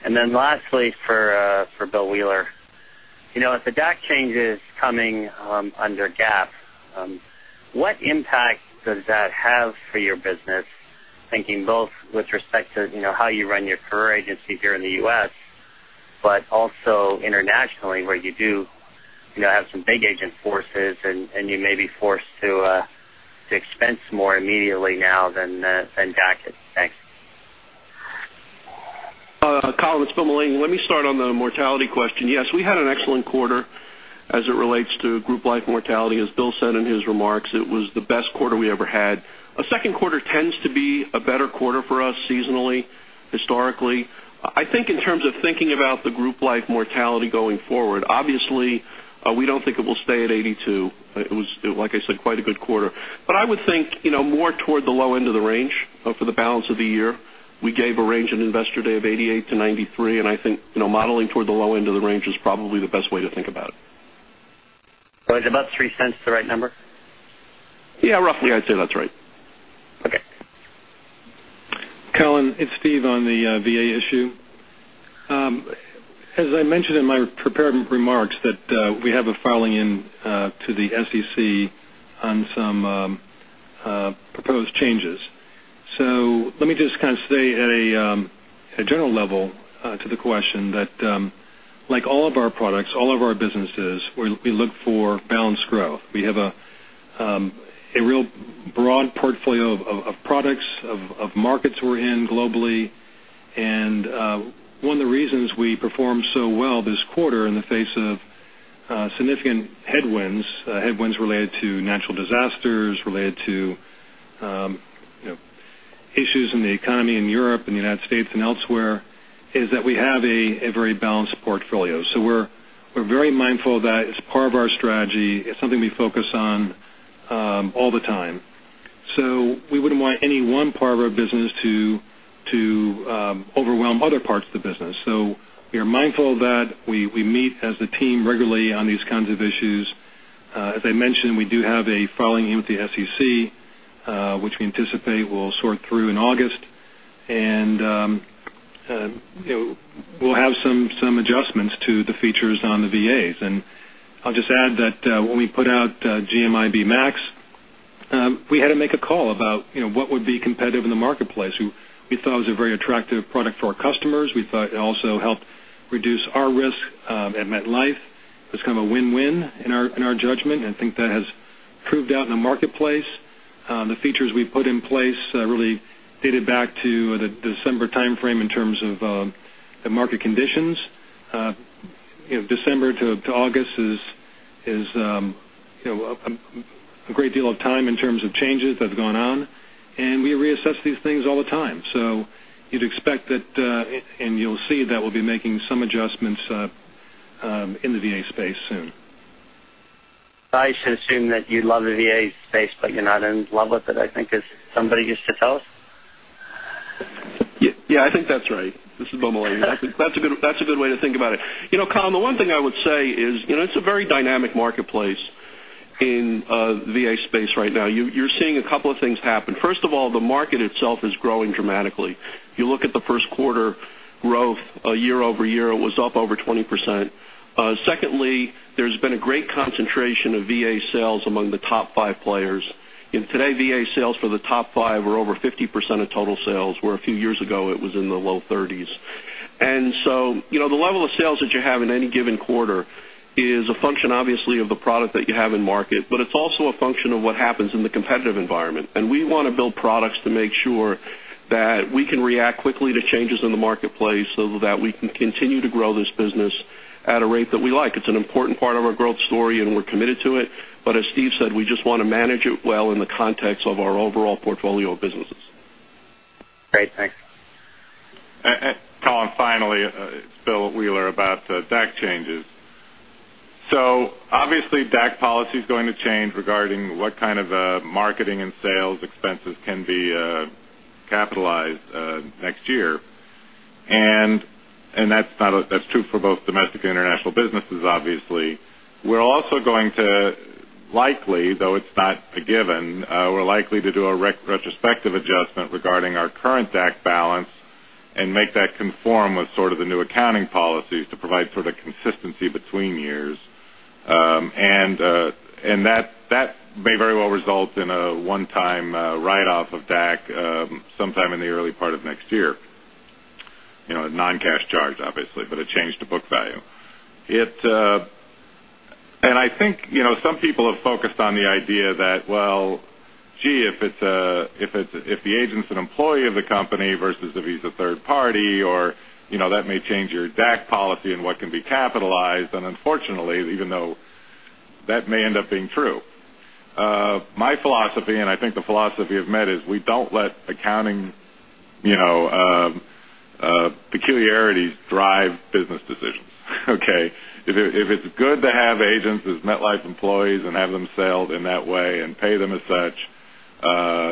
[SPEAKER 12] Then lastly, for William Wheeler. If the DAC change is coming under GAAP, what impact does that have for your business? Thinking both with respect to how you run your career agency here in the U.S., but also internationally where you do have some big agent forces and you may be forced to expense more immediately now than DAC is. Thanks.
[SPEAKER 13] Colin, it's William Mullaney. Let me start on the mortality question. Yes, we had an excellent quarter as it relates to group life mortality. As Bill said in his remarks, it was the best quarter we ever had. A second quarter tends to be a better quarter for us seasonally, historically. I think in terms of thinking about the group life mortality going forward, obviously, we don't think it will stay at 82. It was, like I said, quite a good quarter. I would think more toward the low end of the range for the balance of the year. We gave a range at Investor Day of 88-93, I think modeling toward the low end of the range is probably the best way to think about it.
[SPEAKER 12] Is about $0.03 the right number?
[SPEAKER 13] Roughly, I'd say that's right.
[SPEAKER 12] Okay.
[SPEAKER 3] Colin, it's Steve on the VA issue. As I mentioned in my prepared remarks that we have a filing in to the SEC on some proposed changes. Let me just kind of say at a general level to the question that, like all of our products, all of our businesses, we look for balanced growth. We have a real broad portfolio of products, of markets we're in globally. One of the reasons we performed so well this quarter in the face of significant headwinds related to natural disasters, related to issues in the economy in Europe and the U.S. and elsewhere, is that we have a very balanced portfolio. We're very mindful of that. It's part of our strategy. It's something we focus on all the time. We wouldn't want any one part of our business to overwhelm other parts of the business. We are mindful of that. We meet as a team regularly on these kinds of issues. As I mentioned, we do have a filing in with the SEC which we anticipate will sort through in August. We'll have some adjustments to the features on the VAs. I'll just add that when we put out GMIB Max, we had to make a call about what would be competitive in the marketplace. We thought it was a very attractive product for our customers. We thought it also helped reduce our risk at MetLife. It was kind of a win-win in our judgment, and I think that has proved out in the marketplace. The features we put in place really dated back to the December timeframe in terms of the market conditions. December to August is a great deal of time in terms of changes that have gone on, and we reassess these things all the time. You'd expect that, and you'll see that we'll be making some adjustments in the VA space soon.
[SPEAKER 12] I should assume that you love the VA space, but you're not in love with it, I think as somebody used to tell us?
[SPEAKER 4] I think that's right. This is William Wheeler. That's a good way to think about it. Colin, the one thing I would say is, it's a very dynamic marketplace in VA space right now. You're seeing a couple of things happen. First of all, the market itself is growing dramatically. If you look at the first quarter growth year-over-year, it was up over 20%. Secondly, there's been a great concentration of VA sales among the top five players. Today, VA sales for the top five are over 50% of total sales, where a few years ago it was in the low 30s. The level of sales that you have in any given quarter is a function, obviously, of the product that you have in market, but it's also a function of what happens in the competitive environment. We want to build products to make sure that we can react quickly to changes in the marketplace so that we can continue to grow this business at a rate that we like. It's an important part of our growth story, and we're committed to it. As Steve said, we just want to manage it well in the context of our overall portfolio of businesses.
[SPEAKER 12] Great. Thanks.
[SPEAKER 4] Colin, finally, it's William Wheeler about DAC changes. Obviously, DAC policy's going to change regarding what kind of marketing and sales expenses can be capitalized next year. That's true for both domestic and international businesses, obviously. We're also going to likely, though it's not a given, we're likely to do a retrospective adjustment regarding our current DAC balance and make that conform with sort of the new accounting policies to provide sort of consistency between years. That may very well result in a one-time write-off of DAC sometime in the early part of next year. A non-cash charge, obviously, but a change to book value. I think some people have focused on the idea that, well, gee, if the agent's an employee of the company versus if he's a third party, or that may change your DAC policy and what can be capitalized. Unfortunately, even though that may end up being true, my philosophy, and I think the philosophy of Met, is we don't let accounting peculiarities drive business decisions. Okay? If it's good to have agents as MetLife employees and have them saled in that way and pay them as such,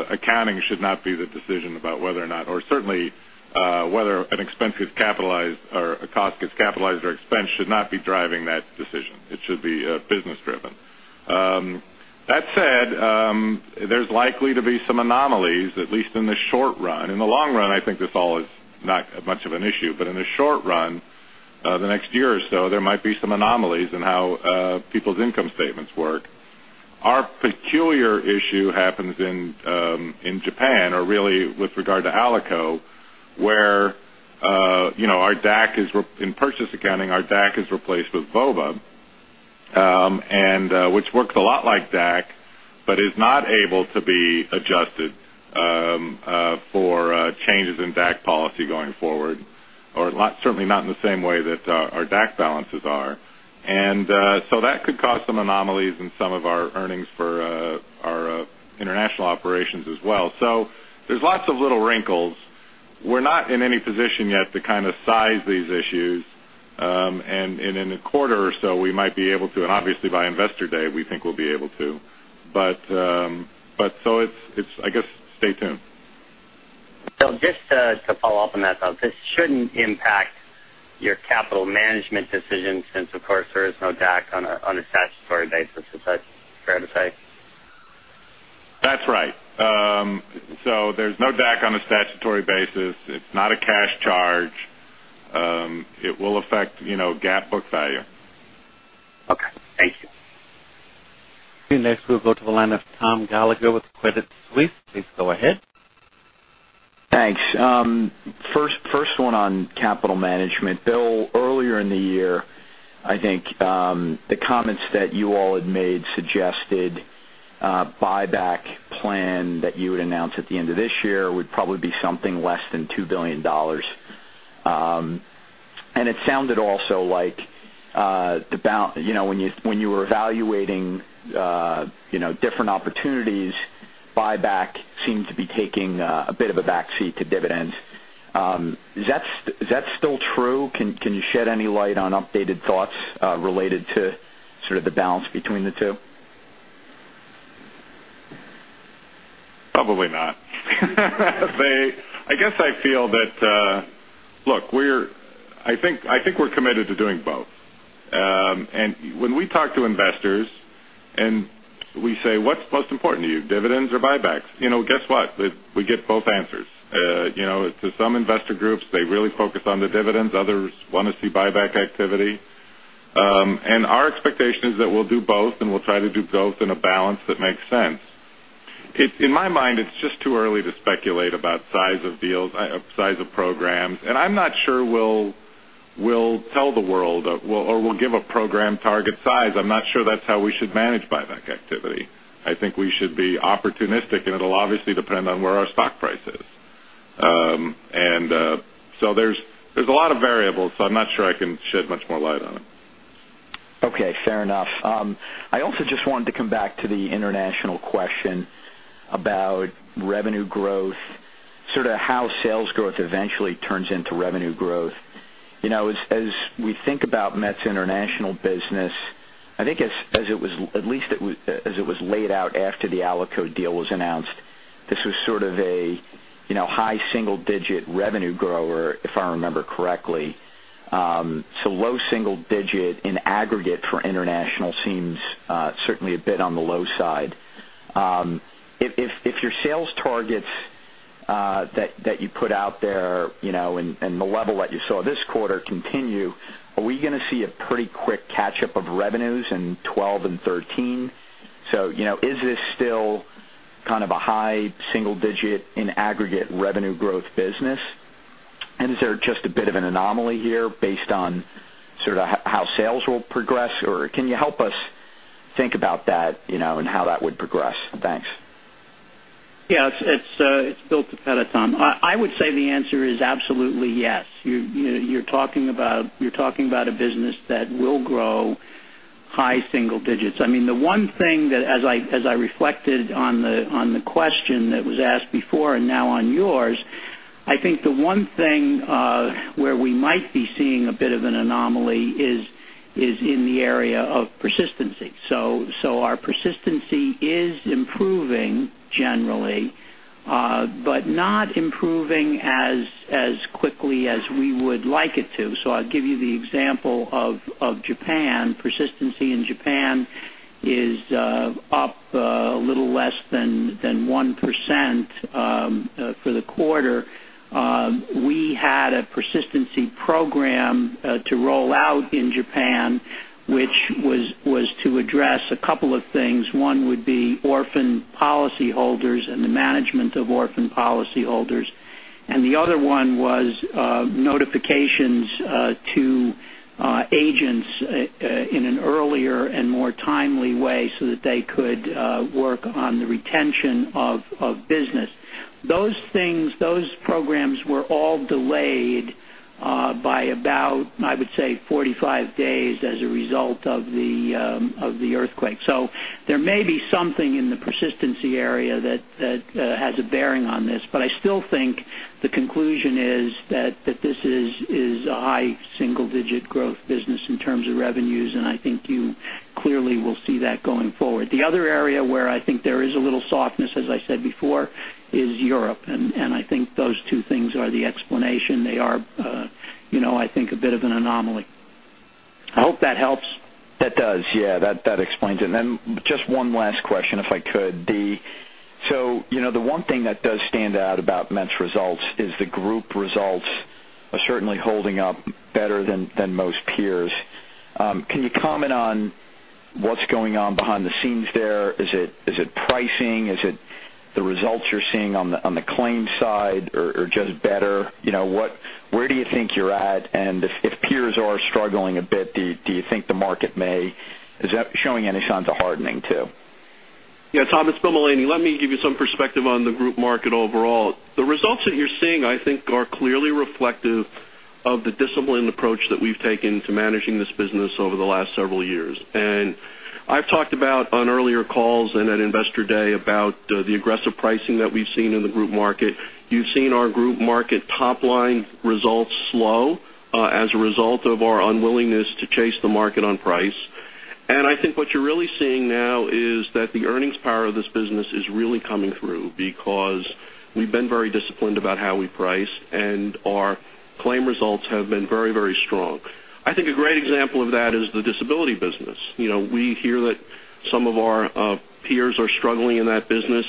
[SPEAKER 4] accounting should not be the decision about whether or not, or certainly whether an expense gets capitalized or a cost gets capitalized or expense should not be driving that decision. It should be business driven. That said, there's likely to be some anomalies, at least in the short run. In the long run, I think this all is not much of an issue, but in the short run, the next year or so, there might be some anomalies in how people's income statements work. Our peculiar issue happens in Japan, or really with regard to Alico, where in purchase accounting, our DAC is replaced with VOBA, which works a lot like DAC, but is not able to be adjusted for changes in DAC policy going forward, or certainly not in the same way that our DAC balances are. That could cause some anomalies in some of our earnings for our international operations as well. There's lots of little wrinkles. We're not in any position yet to kind of size these issues. In a quarter or so, we might be able to, and obviously by Investor Day, we think we'll be able to. I guess stay tuned.
[SPEAKER 12] Bill, just to follow up on that thought, this shouldn't impact your capital management decision since, of course, there is no DAC on a statutory basis. Is that fair to say?
[SPEAKER 4] That's right. There's no DAC on a statutory basis. It's not a cash charge. It will affect GAAP book value.
[SPEAKER 12] Okay. Thank you.
[SPEAKER 1] Okay, next we'll go to the line of Thomas Gallagher with Credit Suisse. Please go ahead.
[SPEAKER 14] Thanks. First one on capital management. Bill, earlier in the year, I think the comments that you all had made suggested a buyback plan that you would announce at the end of this year would probably be something less than $2 billion. It sounded also like when you were evaluating different opportunities, buyback seemed to be taking a bit of a backseat to dividends. Is that still true? Can you shed any light on updated thoughts related to sort of the balance between the two?
[SPEAKER 4] Probably not. I guess I feel that, I think we're committed to doing both. When we talk to investors and we say, "What's most important to you, dividends or buybacks?" Guess what? We get both answers. To some investor groups, they really focus on the dividends. Others want to see buyback activity. Our expectation is that we'll do both, and we'll try to do both in a balance that makes sense. In my mind, it's just too early to speculate about size of deals, size of programs, I'm not sure we'll tell the world or we'll give a program target size. I'm not sure that's how we should manage buyback activity. I think we should be opportunistic, it'll obviously depend on where our stock price is. There's a lot of variables, I'm not sure I can shed much more light on it.
[SPEAKER 14] Okay, fair enough. I also just wanted to come back to the international question about revenue growth, sort of how sales growth eventually turns into revenue growth. As we think about Met's international business, I think at least as it was laid out after the Alico deal was announced, this was sort of a high single-digit revenue grower, if I remember correctly. Low single-digit in aggregate for international seems certainly a bit on the low side. If your sales targets that you put out there and the level that you saw this quarter continue, are we going to see a pretty quick catch-up of revenues in 2012 and 2013? Is this still kind of a high single-digit in aggregate revenue growth business? Is there just a bit of an anomaly here based on how sales will progress, or can you help us think about that and how that would progress? Thanks.
[SPEAKER 8] Yeah. It's Bill Toppeta. I would say the answer is absolutely yes. You're talking about a business that will grow high single digits. As I reflected on the question that was asked before and now on yours, I think the one thing where we might be seeing a bit of an anomaly is in the area of persistency. Our persistency is improving generally but not improving as quickly as we would like it to. I'll give you the example of Japan. Persistency in Japan is up a little less than 1% for the quarter. We had a persistency program to roll out in Japan, which was to address a couple of things. One would be orphan policyholders and the management of orphan policyholders, and the other one was notifications to agents in an earlier and more timely way so that they could work on the retention of business. Those programs were all delayed by about, I would say 45 days as a result of the earthquake. There may be something in the persistency area that has a bearing on this, but I still think the conclusion is that this is a high single-digit growth business in terms of revenues, and I think you clearly will see that going forward. The other area where I think there is a little softness, as I said before, is Europe, and I think those two things are the explanation. They are I think a bit of an anomaly. I hope that helps.
[SPEAKER 14] That does, yeah. That explains it. Just one last question, if I could, Dee. The one thing that does stand out about Met's results is the group results are certainly holding up better than most peers. Can you comment on what's going on behind the scenes there? Is it pricing? Is it the results you're seeing on the claims side or just better? Where do you think you're at? And if peers are struggling a bit, do you think the market is showing any signs of hardening too?
[SPEAKER 13] Yeah, Tom, it's Bill Mullaney. Let me give you some perspective on the group market overall. The results that you're seeing, I think, are clearly reflective of the disciplined approach that we've taken to managing this business over the last several years. I've talked about on earlier calls and at Investor Day about the aggressive pricing that we've seen in the group market. You've seen our group market top-line results slow as a result of our unwillingness to chase the market on price. I think what you're really seeing now is that the earnings power of this business is really coming through because we've been very disciplined about how we price and our claim results have been very, very strong. I think a great example of that is the disability business. We hear that some of our peers are struggling in that business.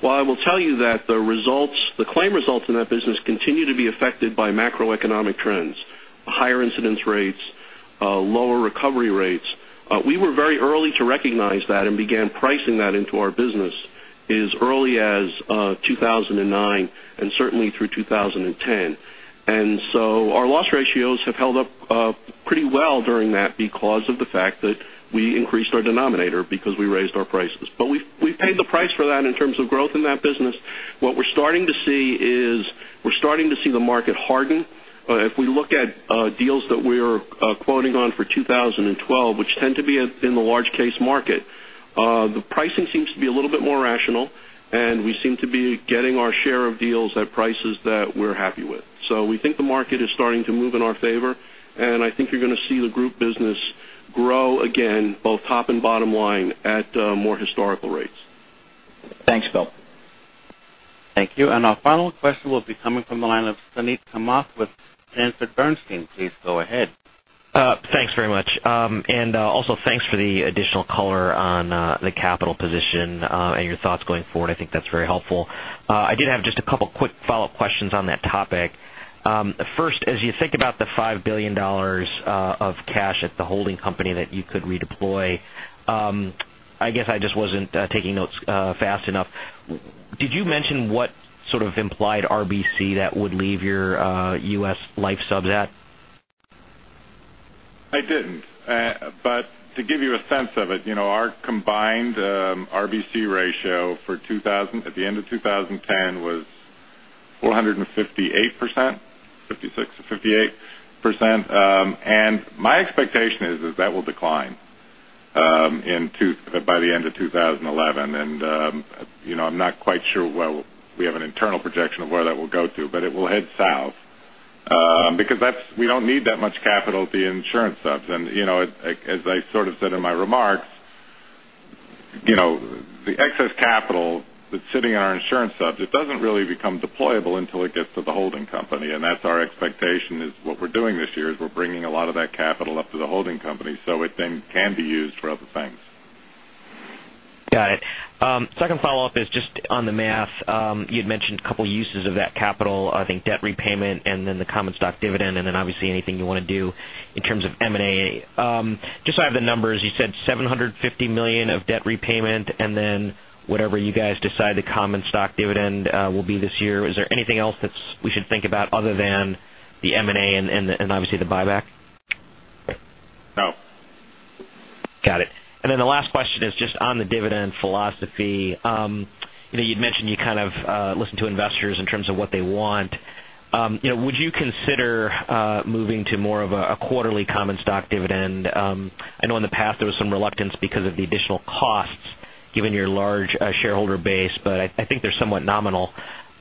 [SPEAKER 13] While I will tell you that the claim results in that business continue to be affected by macroeconomic trends, higher incidence rates, lower recovery rates, we were very early to recognize that and began pricing that into our business as early as 2009 and certainly through 2010. Our loss ratios have held up pretty well during that because of the fact that we increased our denominator because we raised our prices. We've paid the price for that in terms of growth in that business. What we're starting to see is we're starting to see the market harden. If we look at deals that we're quoting on for 2012, which tend to be in the large case market, the pricing seems to be a little bit more rational, and we seem to be getting our share of deals at prices that we're happy with. We think the market is starting to move in our favor, and I think you're going to see the group business Grow again, both top and bottom line at more historical rates.
[SPEAKER 14] Thanks, Bill.
[SPEAKER 1] Thank you. Our final question will be coming from the line of Suneet Kamath with Sanford Bernstein. Please go ahead.
[SPEAKER 15] Thanks very much. Also, thanks for the additional color on the capital position, and your thoughts going forward. I think that's very helpful. I did have just a couple of quick follow-up questions on that topic. First, as you think about the $5 billion of cash at the holding company that you could redeploy, I guess I just wasn't taking notes fast enough. Did you mention what sort of implied RBC that would leave your U.S. life subs at?
[SPEAKER 4] I didn't. To give you a sense of it, our combined RBC ratio at the end of 2010 was 458%, 56%-58%. My expectation is that that will decline by the end of 2011. I'm not quite sure. Well, we have an internal projection of where that will go to, but it will head south, because we don't need that much capital at the insurance subs. As I sort of said in my remarks, the excess capital that's sitting in our insurance subs, it doesn't really become deployable until it gets to the holding company. That's our expectation, is what we're doing this year, is we're bringing a lot of that capital up to the holding company so it then can be used for other things.
[SPEAKER 15] Got it. Second follow-up is just on the math. You'd mentioned a couple of uses of that capital. I think debt repayment, the common stock dividend, and obviously anything you want to do in terms of M&A. Just so I have the numbers, you said $750 million of debt repayment, whatever you guys decide the common stock dividend will be this year. Is there anything else that we should think about other than the M&A and obviously the buyback?
[SPEAKER 4] No.
[SPEAKER 15] Got it. The last question is just on the dividend philosophy. You'd mentioned you kind of listen to investors in terms of what they want. Would you consider moving to more of a quarterly common stock dividend? I know in the past there was some reluctance because of the additional costs given your large shareholder base, but I think they're somewhat nominal.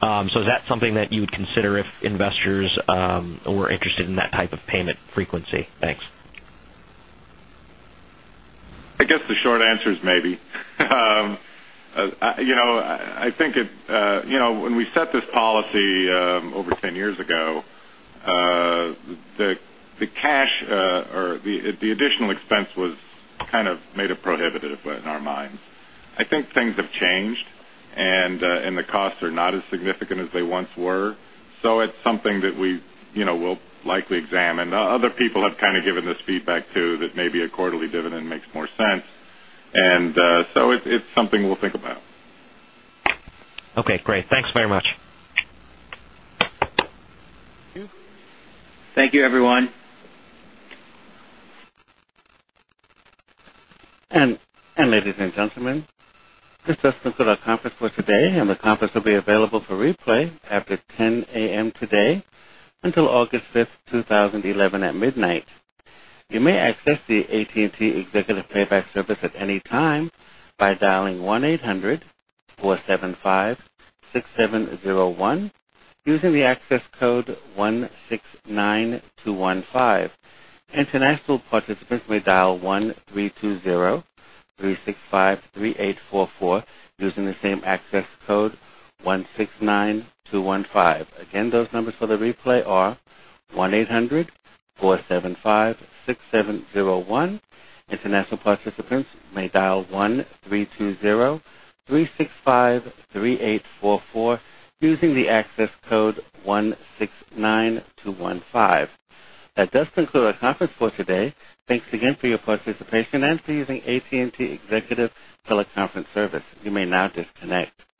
[SPEAKER 15] Is that something that you would consider if investors were interested in that type of payment frequency? Thanks.
[SPEAKER 4] I guess the short answer is maybe. When we set this policy over 10 years ago, the additional expense was kind of made it prohibitive in our minds. I think things have changed, the costs are not as significant as they once were. It's something that we'll likely examine. Other people have kind of given this feedback, too, that maybe a quarterly dividend makes more sense. It's something we'll think about.
[SPEAKER 15] Okay, great. Thanks very much.
[SPEAKER 1] Thank you, everyone. Ladies and gentlemen, this does conclude our conference for today, and the conference will be available for replay after 10:00 A.M. today until August fifth, 2011 at midnight. You may access the AT&T Executive Playback Service at any time by dialing +1 800-475-6701 using the access code 169215. International participants may dial 1-320-365-3844 using the same access code, 169215. Again, those numbers for the replay are +1 800-475-6701. International participants may dial 1-320-365-3844 using the access code 169215. That does conclude our conference for today. Thanks again for your participation and for using AT&T Executive Teleconference Service. You may now disconnect.